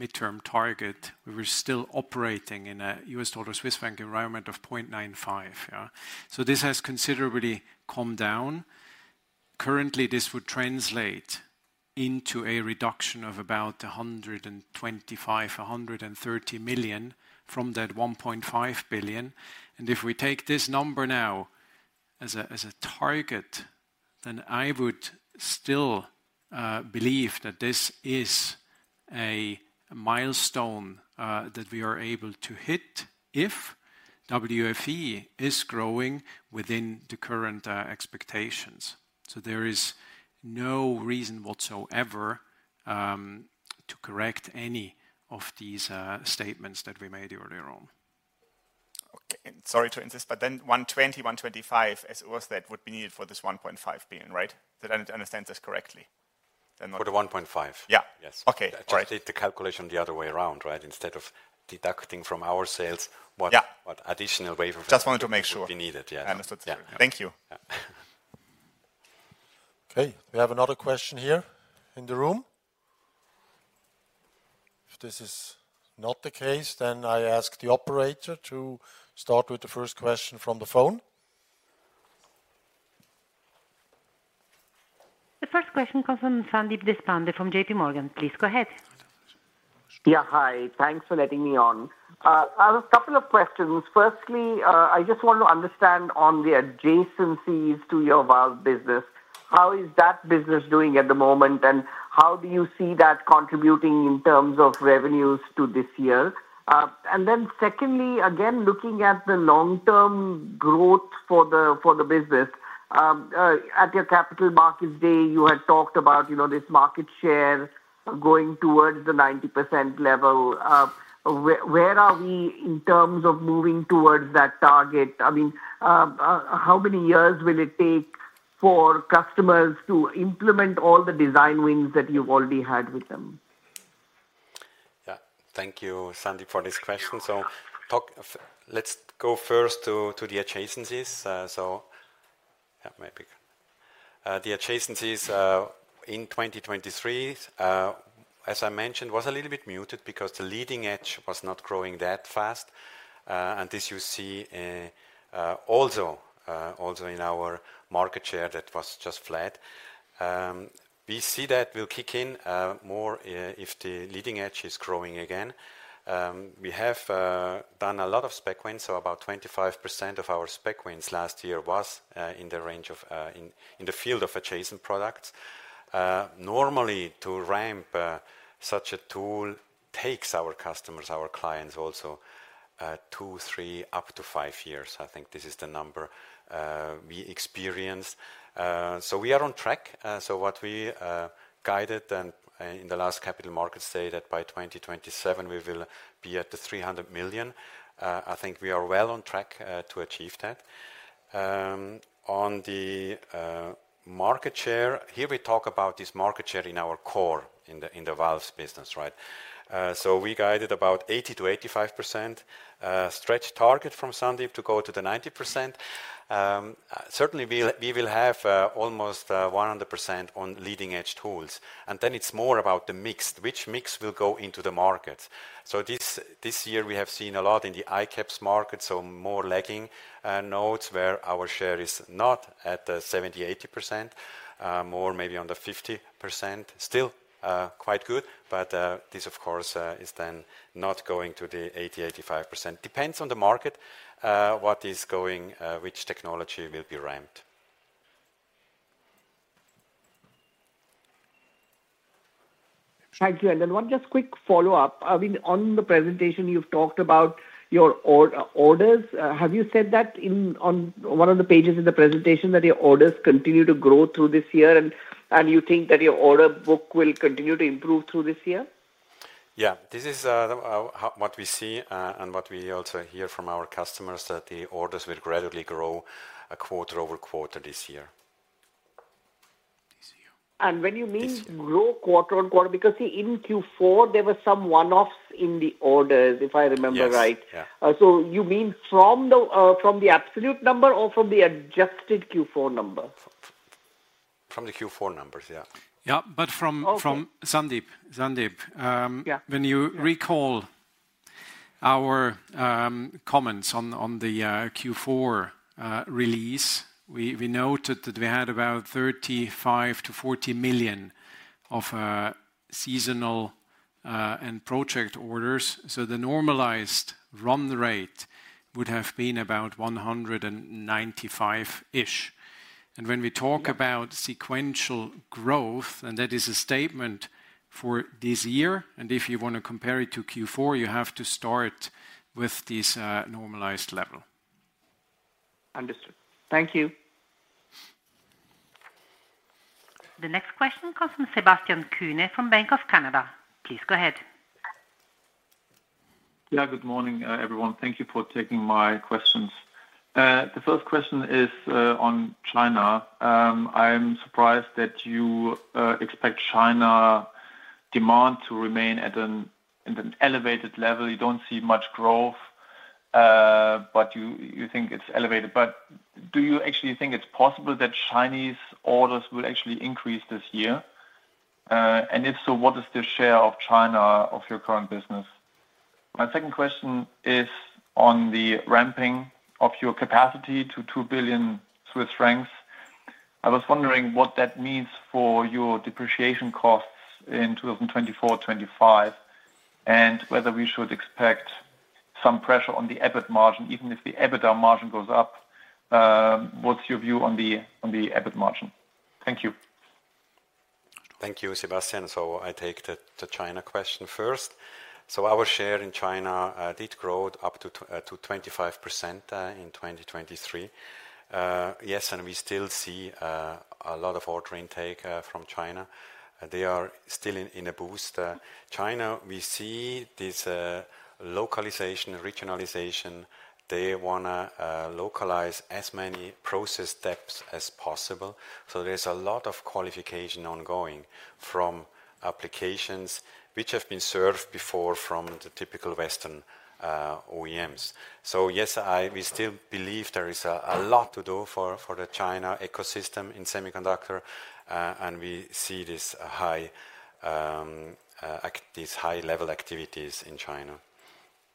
midterm target, we were still operating in a U.S. dollar-Swiss franc environment of 0.95. Yeah? So this has considerably calmed down. Currently, this would translate into a reduction of about 125 to 130 million from that 1.5 billion. And if we take this number now as a target, then I would still believe that this is a milestone that we are able to hit if WFE is growing within the current expectations. So there is no reason whatsoever to correct any of these statements that we made earlier on. Okay. And sorry to insist, but then 120, 125, as it was, that would be needed for this 1.5 billion, right? Did I understand this correctly? Then the- For the 1.5? Yeah. Yes. Okay. All right. I did the calculation the other way around, right? Instead of deducting from our sales- Yeah... what additional wafer- Just wanted to make sure.... would be needed. Yeah. I understood. Yeah. Thank you. Yeah. Okay, we have another question here in the room. If this is not the case, then I ask the operator to start with the first question from the phone. ... The first question comes from Sandeep Deshpande from J.P. Morgan. Please go ahead. Yeah, hi. Thanks for letting me on. I have a couple of questions. Firstly, I just want to understand on the adjacencies to your valve business, how is that business doing at the moment, and how do you see that contributing in terms of revenues to this year? And then secondly, again, looking at the long-term growth for the business, at your Capital Markets Day, you had talked about, you know, this market share going towards the 90% level. Where are we in terms of moving towards that target? I mean, how many years will it take for customers to implement all the design wins that you've already had with them? Yeah. Thank you, Sandeep, for this question. So let's go first to the adjacencies. So, yeah, maybe. The adjacencies in 2023, as I mentioned, was a little bit muted because the leading edge was not growing that fast. And this you see, also in our market share, that was just flat. We see that will kick in more if the leading edge is growing again. We have done a lot of spec wins, so about 25% of our spec wins last year was in the range of, in the field of adjacent products. Normally, to ramp such a tool takes our customers, our clients also, two, three up to five years. I think this is the number we experienced. So we are on track. So what we guided and in the last capital markets day, that by 2027 we will be at 300 million. I think we are well on track to achieve that. On the market share, here we talk about this market share in our core, in the Valves business, right? So we guided about 80% to 85%, stretch target from Sandeep to go to the 90%. Certainly, we will have almost 100% on leading-edge tools, and then it's more about the mix, which mix will go into the market. So this year we have seen a lot in the ICAPS market, so more lagging nodes where our share is not at the 70% to 80%, more maybe on the 50%. Still, quite good, but, this, of course, is then not going to the 80% to 85%. Depends on the market, what is going, which technology will be ramped. Thank you. And then one just quick follow-up. I mean, on the presentation, you've talked about your orders. Have you said that in on one of the pages in the presentation, that your orders continue to grow through this year, and you think that your order book will continue to improve through this year? Yeah. This is what we see, and what we also hear from our customers, that the orders will gradually grow a quarter-over-quarter this year. And when you mean- This year grow quarter on quarter, because, see, in Q4, there were some one-offs in the orders, if I remember right. Yes. Yeah. So you mean from the absolute number or from the adjusted Q4 number? From the Q4 numbers, yeah. Yeah, but from- Okay... from Sandeep, Sandeep, Yeah. When you recall our comments on the Q4 release, we noted that we had about 35 million to 40 million of seasonal and project orders, so the normalized run rate would have been about 195-ish. Yeah. When we talk about sequential growth, and that is a statement for this year, and if you want to compare it to Q4, you have to start with this, normalized level. Understood. Thank you. The next question comes from Sebastian Kuenne from RBC Capital Markets. Please go ahead. Yeah, good morning, everyone. Thank you for taking my questions. The first question is on China. I'm surprised that you expect China demand to remain at an elevated level. You don't see much growth, but you think it's elevated. But do you actually think it's possible that Chinese orders will actually increase this year? And if so, what is the share of China of your current business? My second question is on the ramping of your capacity to 2 billion Swiss francs. I was wondering what that means for your depreciation costs in 2024, 2025, and whether we should expect some pressure on the EBIT margin, even if the EBITDA margin goes up. What's your view on the EBIT margin? Thank you. Thank you, Sebastian. So I take the China question first. So our share in China did grow up to 25% in 2023. Yes, and we still see a lot of order intake from China. They are still in a boost. China, we see this localization, regionalization. They wanna localize as many process steps as possible, so there's a lot of qualification ongoing from applications which have been served before from the typical Western OEMs. So yes, we still believe there is a lot to do for the China ecosystem in semiconductor, and we see this high, these high-level activities in China....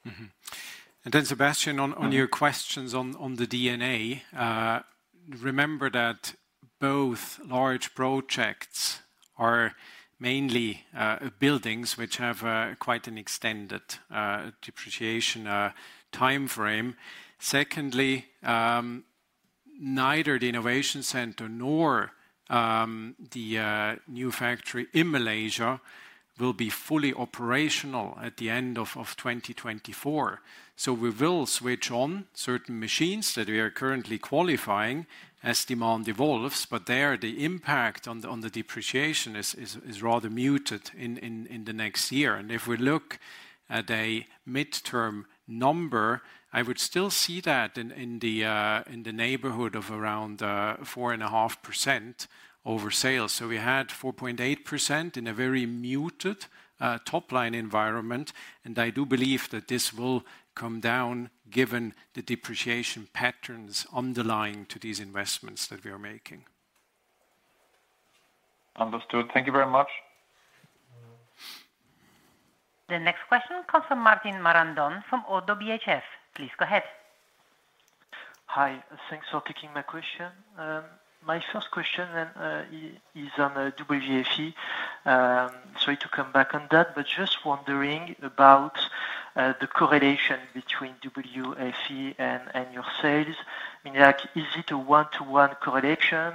Mm-hmm. And then Sebastian, on your questions on the D&A, remember that both large projects are mainly buildings which have quite an extended depreciation timeframe. Secondly, neither the innovation center nor the new factory in Malaysia will be fully operational at the end of 2024. So we will switch on certain machines that we are currently qualifying as demand evolves, but there, the impact on the depreciation is rather muted in the next year. And if we look at a midterm number, I would still see that in the neighborhood of around 4.5% over sales. So we had 4.8% in a very muted, top-line environment, and I do believe that this will come down, given the depreciation patterns underlying to these investments that we are making. Understood. Thank you very much. The next question comes from Martin Marandon from Oddo BHF. Please go ahead. Hi, thanks for taking my question. My first question, then, is on WFE. Sorry to come back on that, but just wondering about the correlation between WFE and your sales. I mean, like, is it a 1:1 correlation?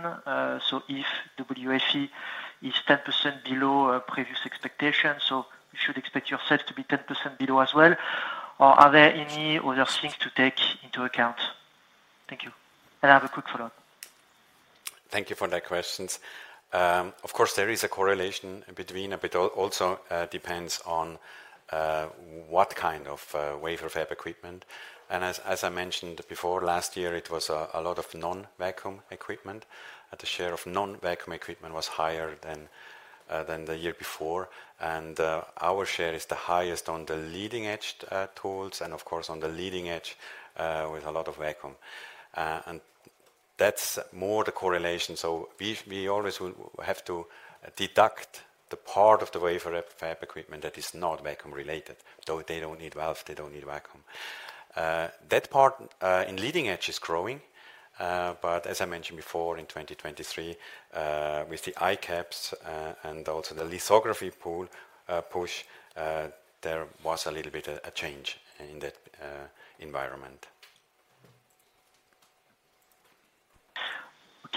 So if WFE is 10% below previous expectations, so you should expect your sales to be 10% below as well? Or are there any other things to take into account? Thank you. And I have a quick follow-up. Thank you for that question. Of course, there is a correlation between, but it also depends on what kind of wafer fab equipment. And as I mentioned before, last year it was a lot of non-vacuum equipment. The share of non-vacuum equipment was higher than the year before. And our share is the highest on the leading-edge tools, and of course, on the leading edge, with a lot of vacuum. And that's more the correlation. So we always will have to deduct the part of the wafer fab equipment that is not vacuum-related, though they don't need valve, they don't need vacuum. That part in leading-edge is growing, but as I mentioned before, in 2023, with the ICAPS, and also the lithography pool push, there was a little bit a change in that environment.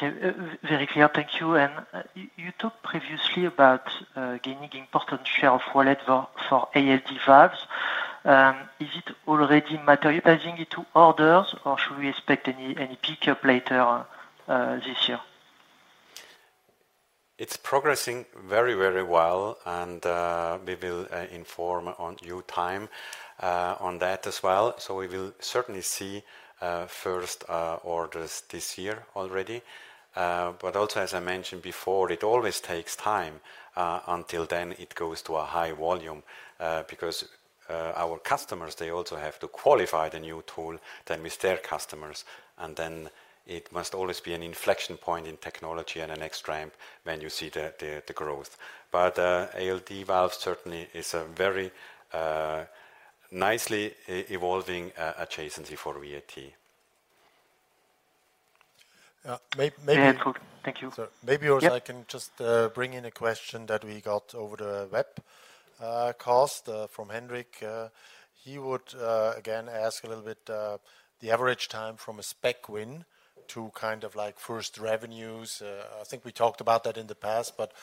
Okay. Very clear. Thank you. And, you, you talked previously about gaining important share of wallet for, for ALD Valves. Is it already materializing into orders, or should we expect any, any pick-up later this year? It's progressing very, very well, and we will inform on due time on that as well. So we will certainly see first orders this year already. But also, as I mentioned before, it always takes time until then it goes to a high volume because our customers, they also have to qualify the new tool, then with their customers, and then it must always be an inflection point in technology and the next ramp when you see the growth. But ALD Valves certainly is a very nicely evolving adjacency for VAT. Maybe Yeah, good. Thank you. So maybe- Yep... I can just bring in a question that we got over the webcast from Henrik. He would again ask a little bit the average time from a spec win to kind of like first revenues. I think we talked about that in the past, but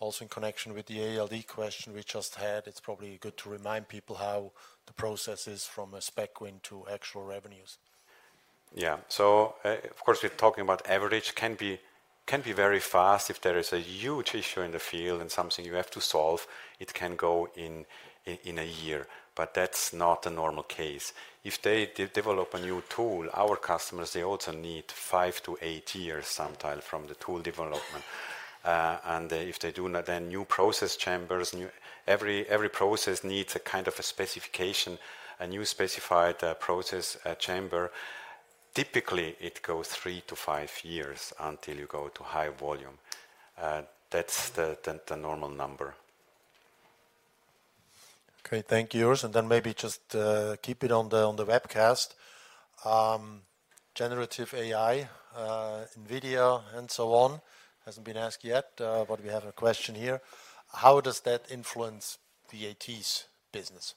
also in connection with the ALD question we just had. It's probably good to remind people how the process is from a spec win to actual revenues. Yeah. So, of course, we're talking about average, can be very fast. If there is a huge issue in the field and something you have to solve, it can go in a year, but that's not a normal case. If they develop a new tool, our customers, they also need five to eight years, sometime, from the tool development. And if they do not, then new process chambers, new... Every process needs a kind of a specification, a new specified process chamber. Typically, it goes three to five years until you go to high volume. That's the normal number. Okay. Thank you, Urs. And then maybe just, keep it on the, on the webcast. Generative AI, NVIDIA, and so on, hasn't been asked yet, but we have a question here: How does that influence VAT's business?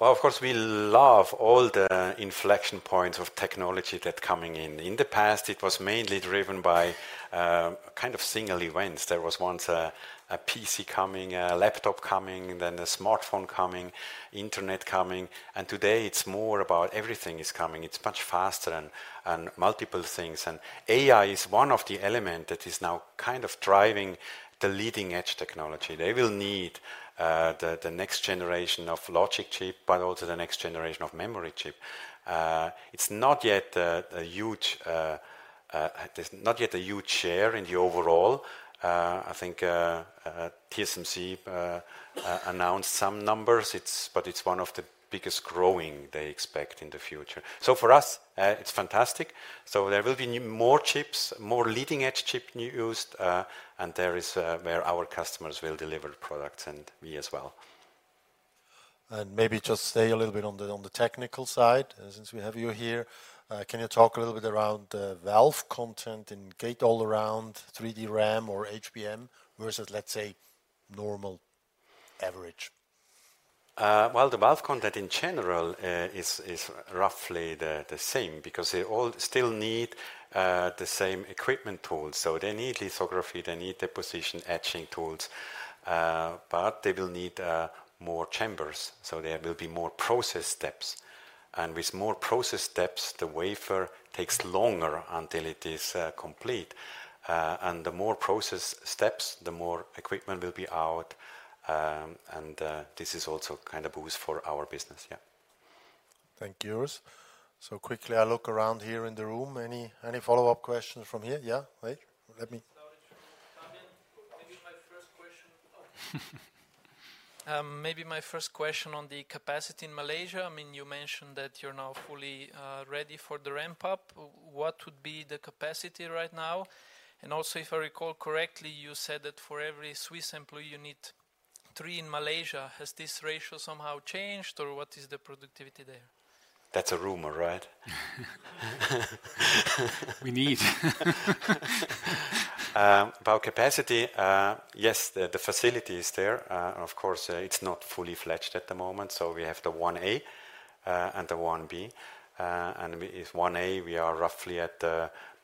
Well, of course, we love all the inflection points of technology that coming in. In the past, it was mainly driven by, kind of single events. There was once a PC coming, a laptop coming, then a smartphone coming, internet coming, and today it's more about everything is coming. It's much faster and multiple things. And AI is one of the element that is now kind of driving the leading-edge technology. They will need the next generation of logic chip, but also the next generation of memory chip. It's not yet a huge... It is not yet a huge share in the overall. I think TSMC announced some numbers. It's-- but it's one of the biggest growing they expect in the future. So for us, it's fantastic. So there will be more chips, more leading-edge chip used, and there is where our customers will deliver products and we as well.... Maybe just stay a little bit on the technical side, since we have you here. Can you talk a little bit around the valve content in Gate-All-Around, 3D DRAM or HBM, versus, let's say, normal average? Well, the valve content in general is roughly the same, because they all still need the same equipment tools. So they need lithography, they need deposition etching tools, but they will need more chambers, so there will be more process steps. And with more process steps, the wafer takes longer until it is complete. And the more process steps, the more equipment will be out, and this is also a kind of boost for our business. Yeah. Thank you, Urs. So quickly, I look around here in the room. Any, any follow-up questions from here? Yeah. Wait, let me- Maybe my first question on the capacity in Malaysia. I mean, you mentioned that you're now fully ready for the ramp-up. What would be the capacity right now? And also, if I recall correctly, you said that for every Swiss employee, you need three in Malaysia. Has this ratio somehow changed, or what is the productivity there? That's a rumor, right? We need. About capacity, yes, the facility is there. Of course, it's not fully fledged at the moment, so we have the 1-A and the 1-B. With 1-A, we are roughly at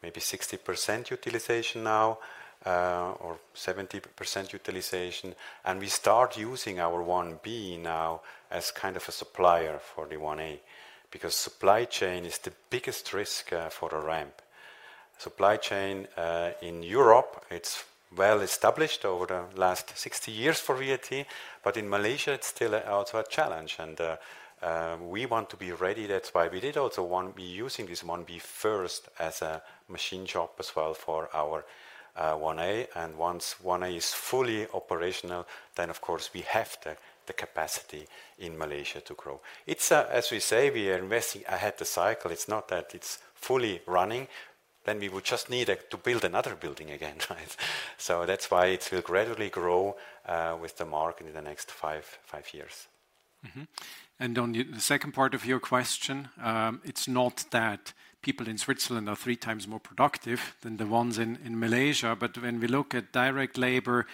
maybe 60% utilization now or 70% utilization. And we start using our 1-B now as kind of a supplier for the 1-A, because supply chain is the biggest risk for a ramp. Supply chain in Europe, it's well established over the last 60 years for VAT, but in Malaysia, it's still also a challenge, and we want to be ready. That's why we did also 1-B, using this 1-B first as a machine shop as well for our 1-A, and once 1-A is fully operational, then of course, we have the capacity in Malaysia to grow. It's... As we say, we are investing ahead the cycle. It's not that it's fully running, then we would just need to build another building again, right? So that's why it will gradually grow with the market in the next five years. Mm-hmm. And on the second part of your question, it's not that people in Switzerland are three times more productive than the ones in Malaysia, but when we look at direct labor,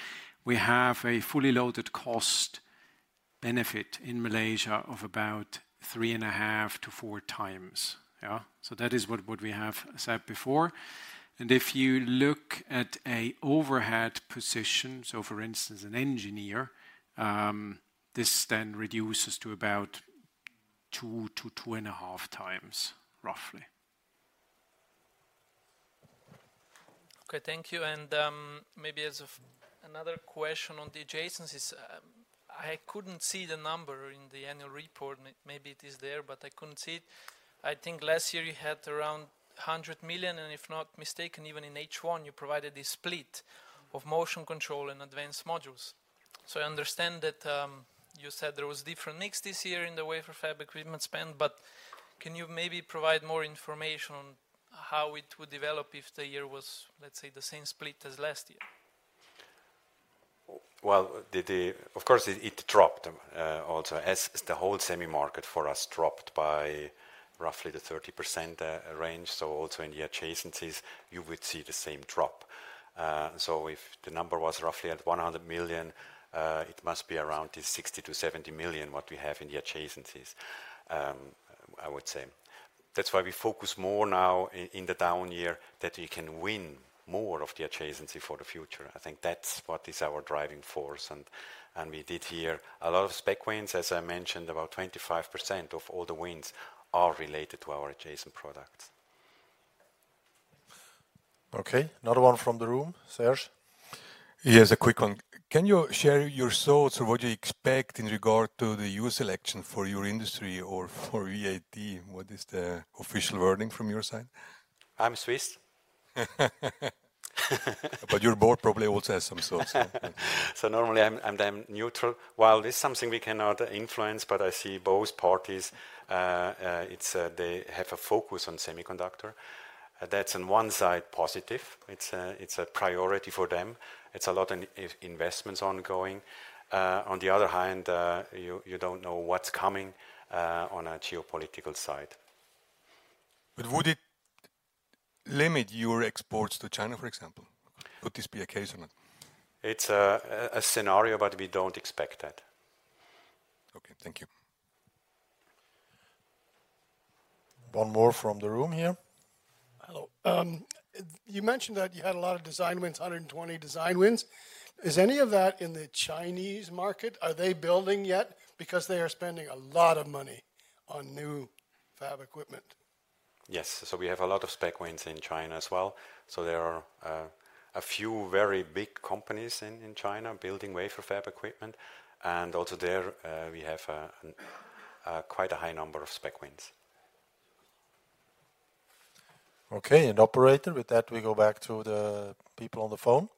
we have a fully loaded cost benefit in Malaysia of about 3.5 to four times. Yeah. So that is what we have said before. And if you look at an overhead position, so for instance, an engineer, this then reduces to about two to 2.5 times, roughly. Okay, thank you, and maybe ask another question on the adjacencies. I couldn't see the number in the annual report. Maybe it is there, but I couldn't see it. I think last year you had around 100 million, and if not mistaken, even in H1, you provided a split of motion control and advanced modules. So I understand that you said there was different mix this year in the wafer fab equipment spend, but can you maybe provide more information on how it would develop if the year was, let's say, the same split as last year? Well, of course, it dropped also, as the whole semi market for us dropped by roughly the 30% range. So also in the adjacencies, you would see the same drop. So if the number was roughly at 100 million, it must be around the 60 to 70 million, what we have in the adjacencies, I would say. That's why we focus more now in the down year, that we can win more of the adjacency for the future. I think that's what is our driving force, and we did hear a lot of spec wins. As I mentioned, about 25% of all the wins are related to our adjacent products. Okay, another one from the room. Serge? Yes, a quick one. Can you share your thoughts or what you expect in regard to the U.S. election for your industry or for VAT? What is the official wording from your side? I'm Swiss. But your board probably also has some thoughts. Normally, I'm neutral. While this is something we cannot influence, but I see both parties, it's they have a focus on semiconductor. That's on one side, positive. It's a priority for them. It's a lot of investments ongoing. On the other hand, you don't know what's coming on a geopolitical side. Would it limit your exports to China, for example? Would this be a case or not? It's a scenario, but we don't expect that. Okay, thank you. One more from the room here. Hello. You mentioned that you had a lot of design wins, 120 design wins. Is any of that in the Chinese market? Are they building yet? Because they are spending a lot of money on new fab equipment. Yes. We have a lot of spec wins in China as well. There are a few very big companies in China building wafer fab equipment, and also there we have quite a high number of spec wins. Okay, Operator, with that, we go back to the people on the phone.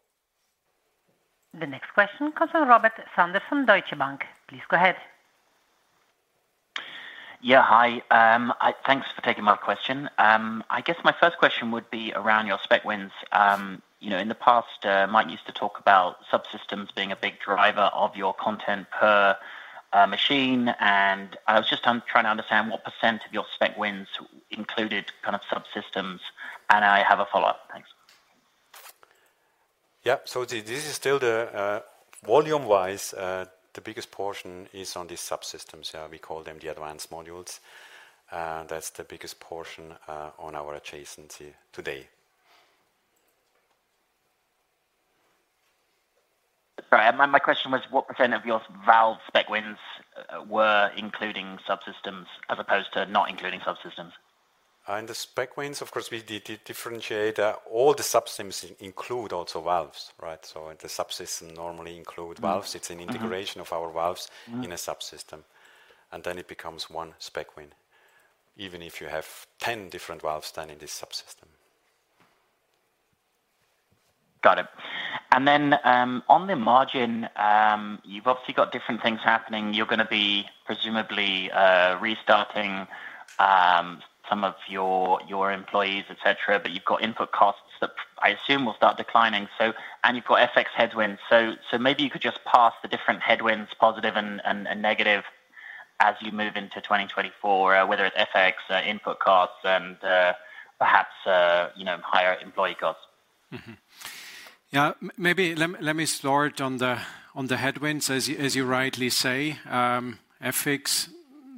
The next question comes from Robert Sanders from Deutsche Bank. Please go ahead. ... Yeah, hi. Thanks for taking my question. I guess my first question would be around your spec wins. You know, in the past, Mike used to talk about subsystems being a big driver of your content per machine, and I was just trying to understand what percent of your spec wins included kind of subsystems. And I have a follow-up. Thanks. Yeah. So this is still the, volume-wise, the biggest portion is on the subsystems. Yeah, we call them the advanced modules. That's the biggest portion, on our adjacency today. Sorry. My question was: what percent of your valve spec wins were including subsystems as opposed to not including subsystems? In the spec wins, of course, we differentiate. All the subsystems include also Valves, right? So the subsystem normally include Valves. Mm-hmm. It's an integration of our Valves- Mm-hmm In a subsystem, and then it becomes one spec win, even if you have 10 different Valves then in this subsystem. Got it. And then, on the margin, you've obviously got different things happening. You're gonna be presumably, restarting, some of your, your employees, et cetera, but you've got input costs that I assume will start declining. So, and you've got FX headwinds. So, maybe you could just parse the different headwinds, positive and negative, as you move into 2024, whether it's FX, input costs and, perhaps, you know, higher employee costs. Yeah, maybe let me start on the headwinds. As you rightly say, FX,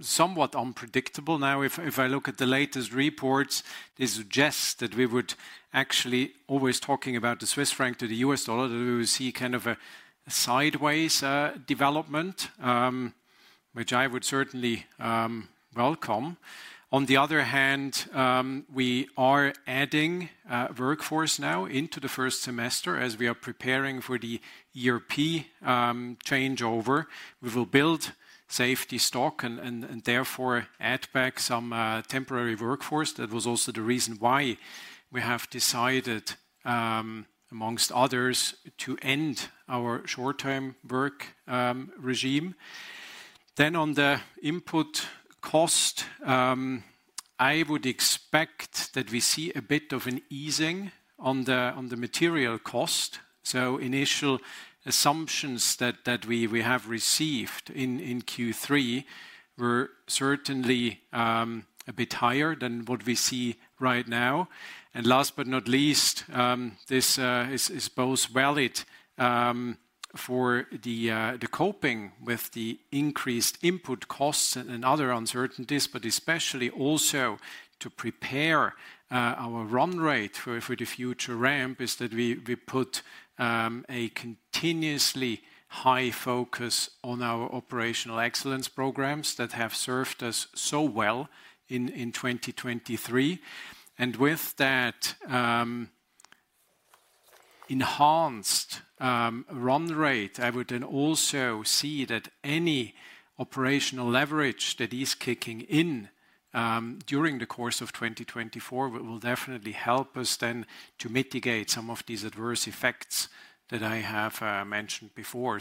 somewhat unpredictable. Now, if I look at the latest reports, they suggest that we would actually always talking about the Swiss franc to the US dollar, that we will see kind of a sideways development, which I would certainly welcome. On the other hand, we are adding workforce now into the first semester as we are preparing for the European changeover. We will build safety stock and therefore add back some temporary workforce. That was also the reason why we have decided, amongst others, to end our short-term work regime. Then on the input cost, I would expect that we see a bit of an easing on the material cost. So initial assumptions that we have received in Q3 were certainly a bit higher than what we see right now. And last but not least, this is both valid for the coping with the increased input costs and other uncertainties, but especially also to prepare our run rate for the future ramp, is that we put a continuously high focus on our operational excellence programs that have served us so well in 2023. And with that enhanced run rate, I would then also see that any operational leverage that is kicking in during the course of 2024, will definitely help us then to mitigate some of these adverse effects that I have mentioned before.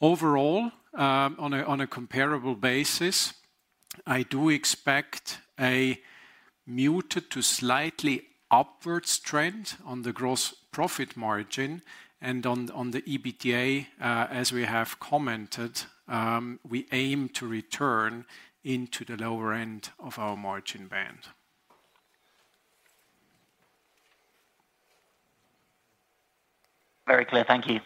Overall, on a comparable basis, I do expect a muted to slightly upwards trend on the gross profit margin. On the EBITDA, as we have commented, we aim to return into the lower end of our margin band. Very clear. Thank you.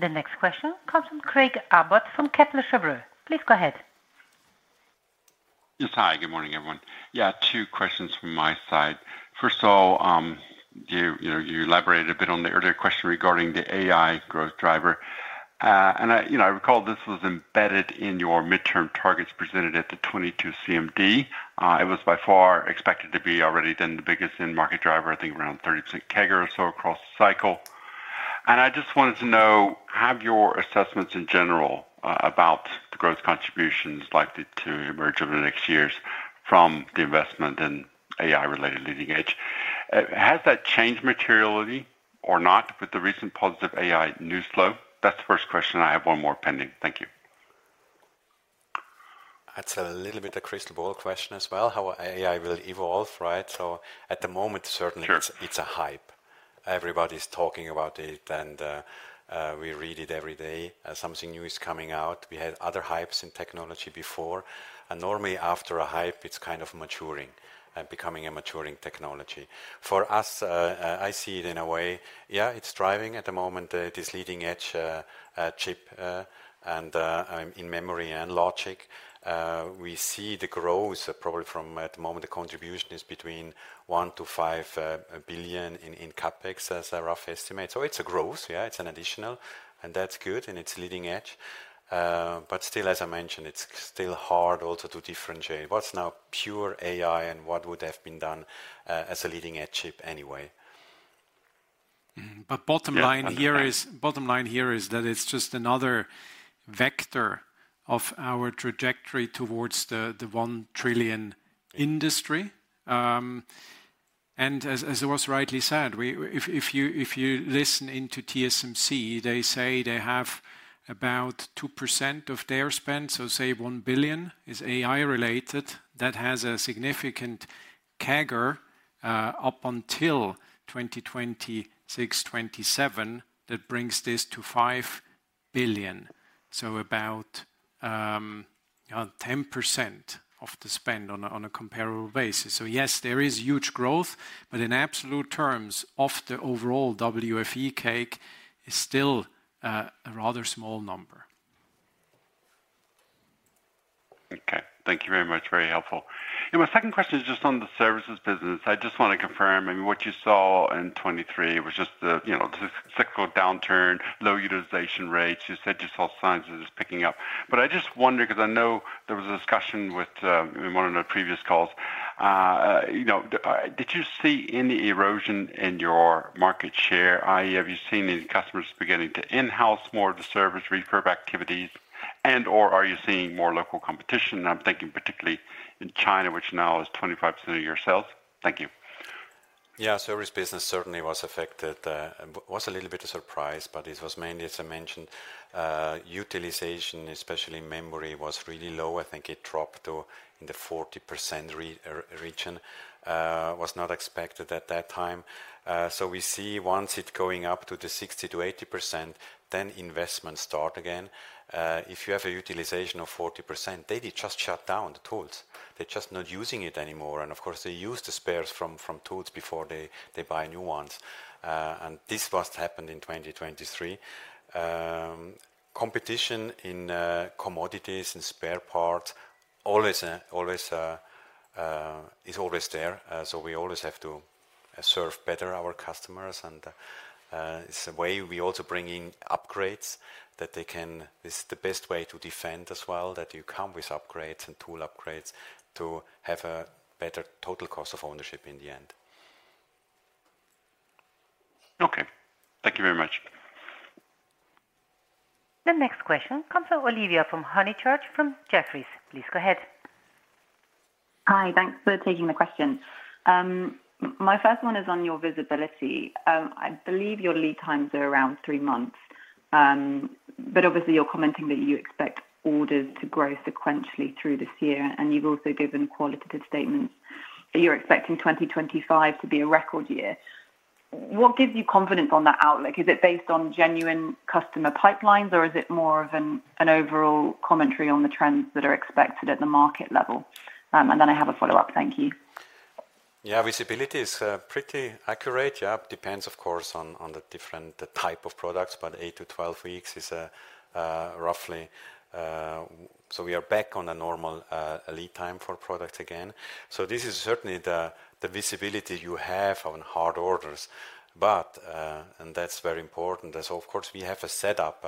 The next question comes from Craig Abbott, from Kepler Cheuvreux. Please go ahead. Yes. Hi, good morning, everyone. Yeah, two questions from my side. First of all, you, you know, you elaborated a bit on the earlier question regarding the AI growth driver. And I, you know, I recall this was embedded in your midterm targets presented at the 2022 CMD. It was by far expected to be already then the biggest in-market driver, I think around 30% CAGR or so across the cycle. And I just wanted to know, have your assessments in general about the growth contributions likely to emerge over the next years from the investment in AI-related leading-edge? Has that changed materially or not with the recent positive AI news flow? That's the first question. I have one more pending. Thank you. That's a little bit a crystal ball question as well, how AI will evolve, right? So at the moment, certainly- Sure... It's a hype. Everybody's talking about it, and we read it every day. Something new is coming out. We had other hypes in technology before, and normally after a hype, it's kind of maturing and becoming a maturing technology. For us, I see it in a way, yeah, it's driving at the moment this leading-edge chip in memory and logic. We see the growth probably from, at the moment, the contribution is between $1 to $5 billion in CapEx as a rough estimate. So it's a growth, yeah, it's an additional, and that's good, and it's leading-edge. But still, as I mentioned, it's still hard also to differentiate what's now pure AI and what would have been done as a leading-edge chip anyway. But bottom line- Yeah... here is, bottom line here is that it's just another vector of our trajectory towards the, the one trillion industry. ...And as it was rightly said, if you listen into TSMC, they say they have about 2% of their spend, so say $1 billion, is AI related. That has a significant CAGR up until 2026, 2027, that brings this to $5 billion. So about, you know, 10% of the spend on a comparable basis. So yes, there is huge growth, but in absolute terms of the overall WFE cake, it's still a rather small number. Okay. Thank you very much. Very helpful. And my second question is just on the services business. I just want to confirm, I mean, what you saw in 2023 was just the, you know, the cyclical downturn, low utilization rates. You said you saw signs of it just picking up. But I just wonder, 'cause I know there was a discussion with, in one of the previous calls, you know, did you see any erosion in your market share? I.e., have you seen any customers beginning to in-house more of the service refurb activities, and/or are you seeing more local competition? I'm thinking particularly in China, which now is 25% of your sales. Thank you. Yeah, service business certainly was affected. Was a little bit of surprise, but it was mainly, as I mentioned, utilization, especially in memory, was really low. I think it dropped to in the 40% region. Was not expected at that time. So we see once it going up to the 60% to 80%, then investments start again. If you have a utilization of 40%, they just shut down the tools. They're just not using it anymore, and of course, they use the spares from tools before they buy new ones. And this was happened in 2023. Competition in commodities and spare parts always is always there, so we always have to serve better our customers. It's a way we also bring in upgrades that they can—this is the best way to defend as well, that you come with upgrades and tool upgrades to have a better total cost of ownership in the end. Okay. Thank you very much. The next question comes Olivia Honychurch, from Jefferies. Please go ahead. Hi, thanks for taking the question. My first one is on your visibility. I believe your lead times are around three months. But obviously, you're commenting that you expect orders to grow sequentially through this year, and you've also given qualitative statements that you're expecting 2025 to be a record year. What gives you confidence on that outlook? Is it based on genuine customer pipelines, or is it more of an overall commentary on the trends that are expected at the market level? And then I have a follow-up. Thank you. Yeah, visibility is pretty accurate. Yeah, it depends, of course, on the different type of products, but eight to 12 weeks is roughly. So we are back on a normal lead time for products again. So this is certainly the visibility you have on hard orders. But and that's very important. So of course, we have a setup,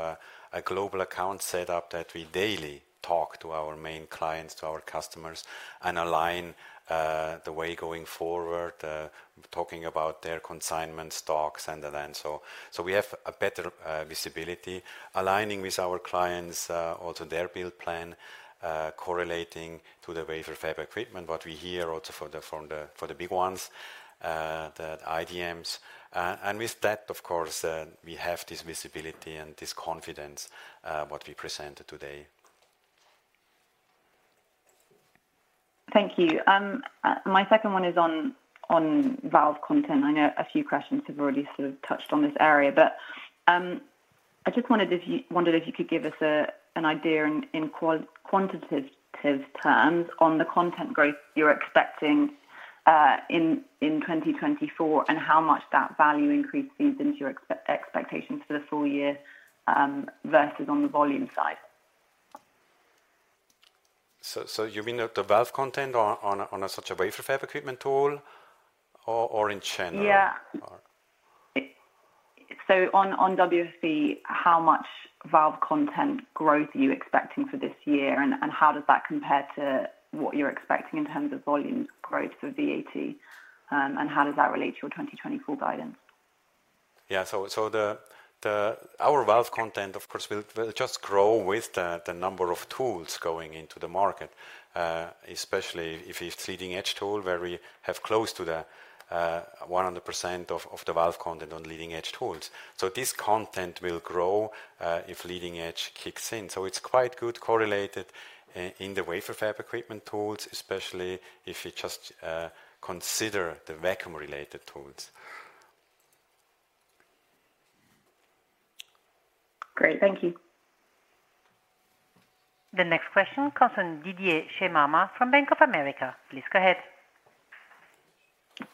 a global account setup that we daily talk to our main clients, to our customers, and align the way going forward, talking about their consignment stocks and then so. So we have a better visibility, aligning with our clients, also their build plan, correlating to the wafer fab equipment, what we hear also for the, from the—for the big ones, the IDMs. With that, of course, we have this visibility and this confidence, what we presented today. Thank you. My second one is on valve content. I know a few questions have already sort of touched on this area, but I just wondered if you could give us an idea in quantitative terms on the content growth you're expecting in 2024, and how much that value increase feeds into your expectations for the full year versus on the volume side? So, you mean the valve content on a such a wafer fab equipment tool or in general? Yeah. So on WFE, how much valve content growth are you expecting for this year, and how does that compare to what you're expecting in terms of volume growth for VAT? And how does that relate to your 2024 guidance? Yeah, so our valve content, of course, will just grow with the number of tools going into the market, especially if it's leading-edge tool, where we have close to the 100% of the valve content on leading-edge tools. So this content will grow if leading edge kicks in. So it's quite good correlated in the wafer fab equipment tools, especially if you just consider the vacuum-related tools. Great. Thank you. The next question comes from Didier Scemama, from Bank of America. Please go ahead.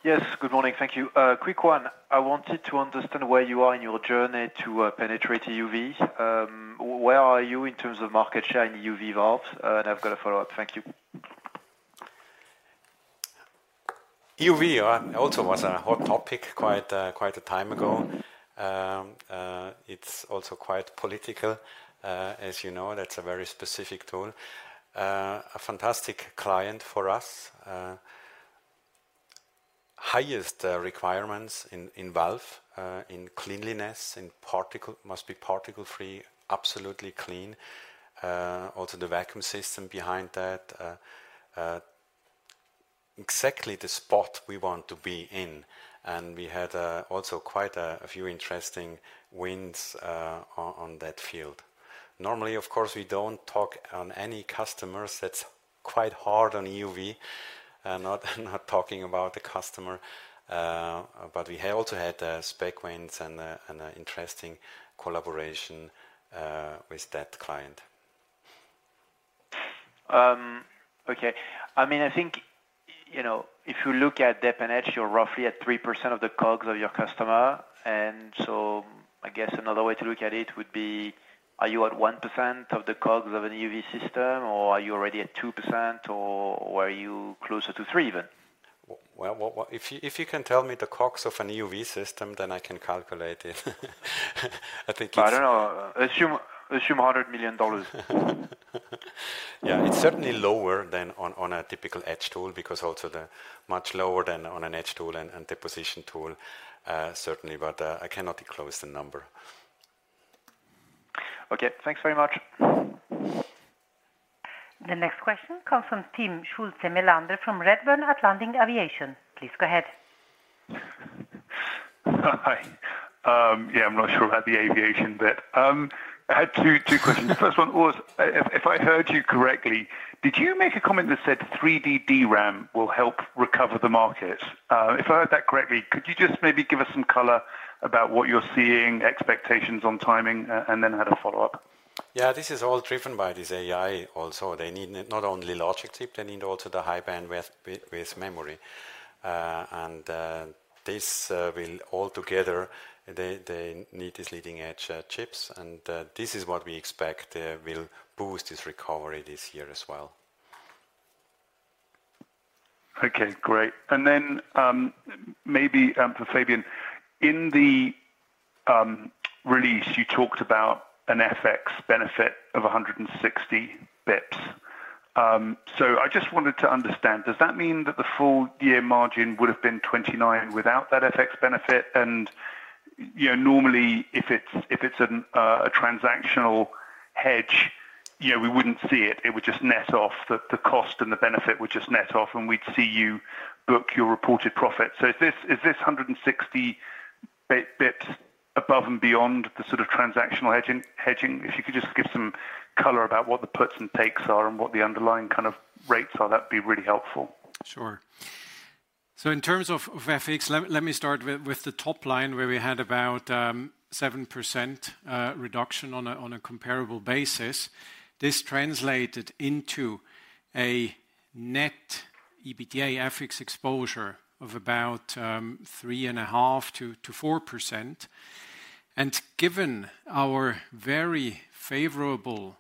Yes, good morning. Thank you. Quick one. I wanted to understand where you are in your journey to penetrate EUV. Where are you in terms of market share in EUV valve? And I've got a follow-up. Thank you. EUV also was a hot topic quite a time ago. It's also quite political. As you know, that's a very specific tool. A fantastic client for us. Highest requirements in valve, in cleanliness, in particle, must be particle-free, absolutely clean. Also the vacuum system behind that, exactly the spot we want to be in, and we had also quite a few interesting wins on that field. Normally, of course, we don't talk on any customers. That's quite hard on EUV, not talking about the customer. But we have also had spec wins and an interesting collaboration with that client. Okay. I mean, I think, you know, if you look at dep and etch, you're roughly at 3% of the COGS of your customer, and so I guess another way to look at it would be, are you at 1% of the COGS of an EUV system, or are you already at 2%, or are you closer to 3% even? Well, if you, if you can tell me the COGS of an EUV system, then I can calculate it. I think it's- I don't know. Assume, assume $100 million. Yeah, it's certainly lower than on a typical etch tool, because also the much lower than on an etch tool and deposition tool, certainly, but I cannot disclose the number. Okay, thanks very much. The next question comes from Tim Schulze-Melander from Redburn Atlantic. Please go ahead. Hi. Yeah, I'm not sure about the aviation bit. I had two, two questions. The first one was, if, if I heard you correctly, did you make a comment that said 3D DRAM will help recover the market? If I heard that correctly, could you just maybe give us some color about what you're seeing, expectations on timing, and then I had a follow-up. Yeah, this is all driven by this AI also. They need not only logic chip, they need also the high bandwidth memory. And this will all together they need these leading-edge chips, and this is what we expect will boost this recovery this year as well. Okay, great. And then, maybe, for Fabian. In the release, you talked about an FX benefit of 160 basis points. So I just wanted to understand: Does that mean that the full year margin would have been 29 without that FX benefit? And, you know, normally, if it's a transactional hedge, you know, we wouldn't see it. It would just net off. The cost and the benefit would just net off, and we'd see you book your reported profit. So is this 160 basis points above and beyond the sort of transactional hedging? If you could just give some color about what the puts and takes are and what the underlying kind of rates are, that'd be really helpful. Sure. So in terms of FX, let me start with the top line, where we had about 7% reduction on a comparable basis. This translated into a net EBITDA FX exposure of about 3.5% to 4%. And given our very favorable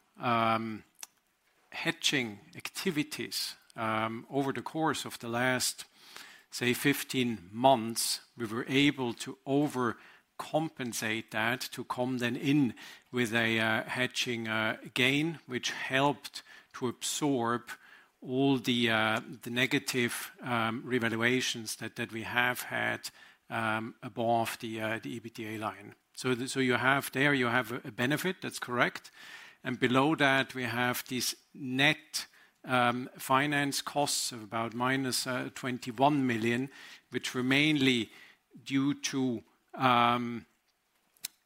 hedging activities over the course of the last, say, 15 months, we were able to overcompensate that to come then in with a hedging gain, which helped to absorb all the negative revaluations that we have had above the EBITDA line. So you have there, you have a benefit. That's correct. Below that, we have these net finance costs of about -21 million, which were mainly due to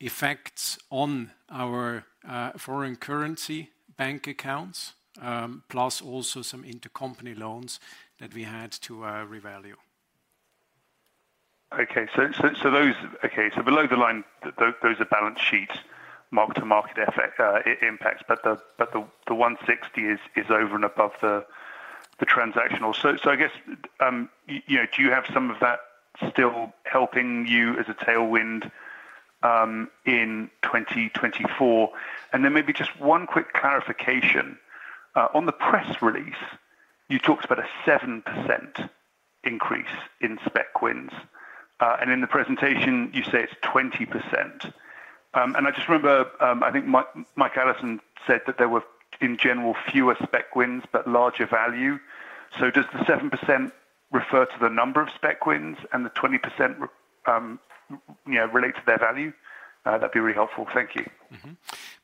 effects on our foreign currency bank accounts, plus also some intercompany loans that we had to revalue. Okay, so those. Okay, so below the line, those are balance sheets, mark-to-market effect, impacts, but the 160 is over and above the transactional. So I guess, you know, do you have some of that still helping you as a tailwind in 2024? And then maybe just one quick clarification. On the press release, you talked about a 7% increase in spec wins, and in the presentation, you say it's 20%. And I just remember, I think Mike Allison said that there were, in general, fewer spec wins but larger value. So does the 7% refer to the number of spec wins, and the 20% relate to their value? That'd be really helpful. Thank you. Mm-hmm.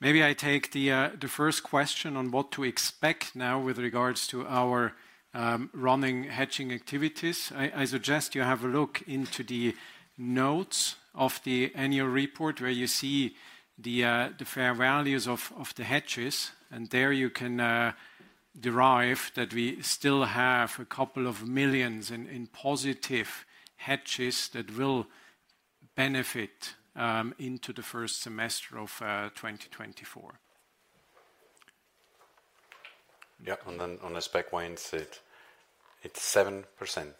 Maybe I take the first question on what to expect now with regards to our running hedging activities. I suggest you have a look into the notes of the annual report, where you see the fair values of the hedges, and there you can derive that we still have a couple of million CHF in positive hedges that will benefit into the first semester of 2024. Yeah, and then on the spec wins, it's 7%- Yeah,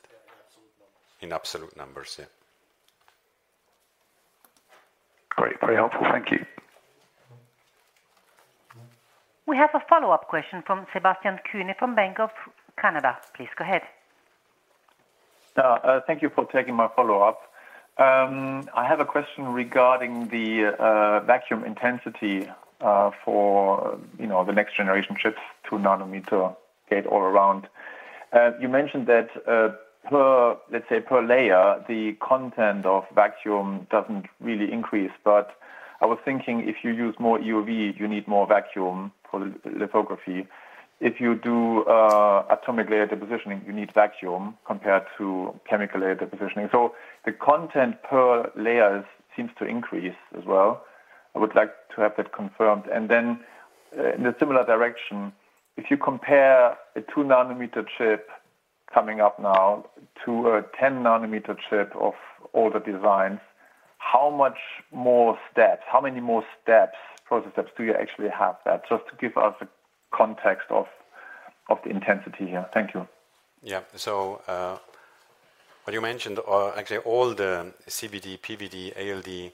in absolute numbers. in absolute numbers, yeah. Great. Very helpful. Thank you. We have a follow-up question from Sebastian Kuenne from Royal Bank of Canada. Please go ahead. Thank you for taking my follow-up. I have a question regarding the vacuum intensity for, you know, the next-generation chips, 2 nm Gate-All-Around.... You mentioned that, per, let's say per layer, the content of vacuum doesn't really increase. But I was thinking, if you use more EUV, you need more vacuum for lithography. If you do atomic layer deposition, you need vacuum compared to chemical vapor deposition. So the content per layers seems to increase as well. I would like to have that confirmed. And then, in a similar direction, if you compare a 2 nm chip coming up now to a 10 nm chip of older designs, how many more steps, process steps, do you actually have that? Just to give us a context of the intensity here. Thank you. Yeah. So, what you mentioned are actually all the CVD, PVD, ALD,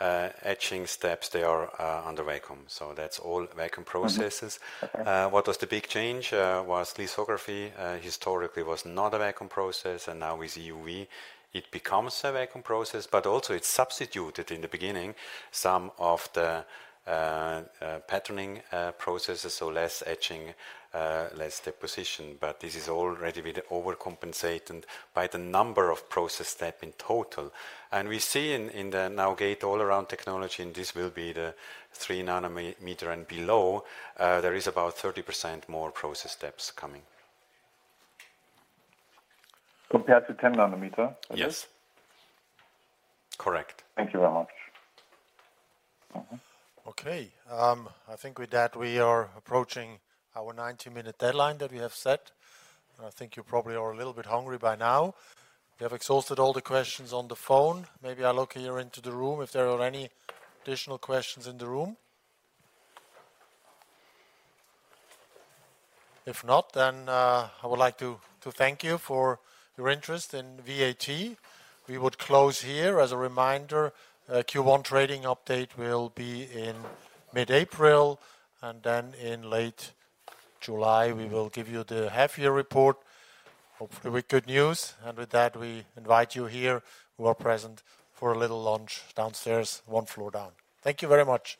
etching steps, they are, under vacuum. So that's all vacuum processes. Okay. What was the big change was lithography, historically was not a vacuum process, and now with EUV, it becomes a vacuum process, but also it substituted, in the beginning, some of the patterning processes, so less etching, less deposition. But this is already been overcompensated by the number of process step in total. And we see in the now Gate-All-Around technology, and this will be the 3 nm and below, there is about 30% more process steps coming. Compared to 10 nm? Yes. Correct. Thank you very much. Mm-hmm. Okay, I think with that, we are approaching our 90-minute deadline that we have set. I think you probably are a little bit hungry by now. We have exhausted all the questions on the phone. Maybe I look here into the room, if there are any additional questions in the room. If not, then I would like to thank you for your interest in VAT. We would close here. As a reminder, Q1 trading update will be in mid-April, and then in late July, we will give you the half-year report, hopefully with good news. And with that, we invite you here, who are present, for a little lunch downstairs, one floor down. Thank you very much.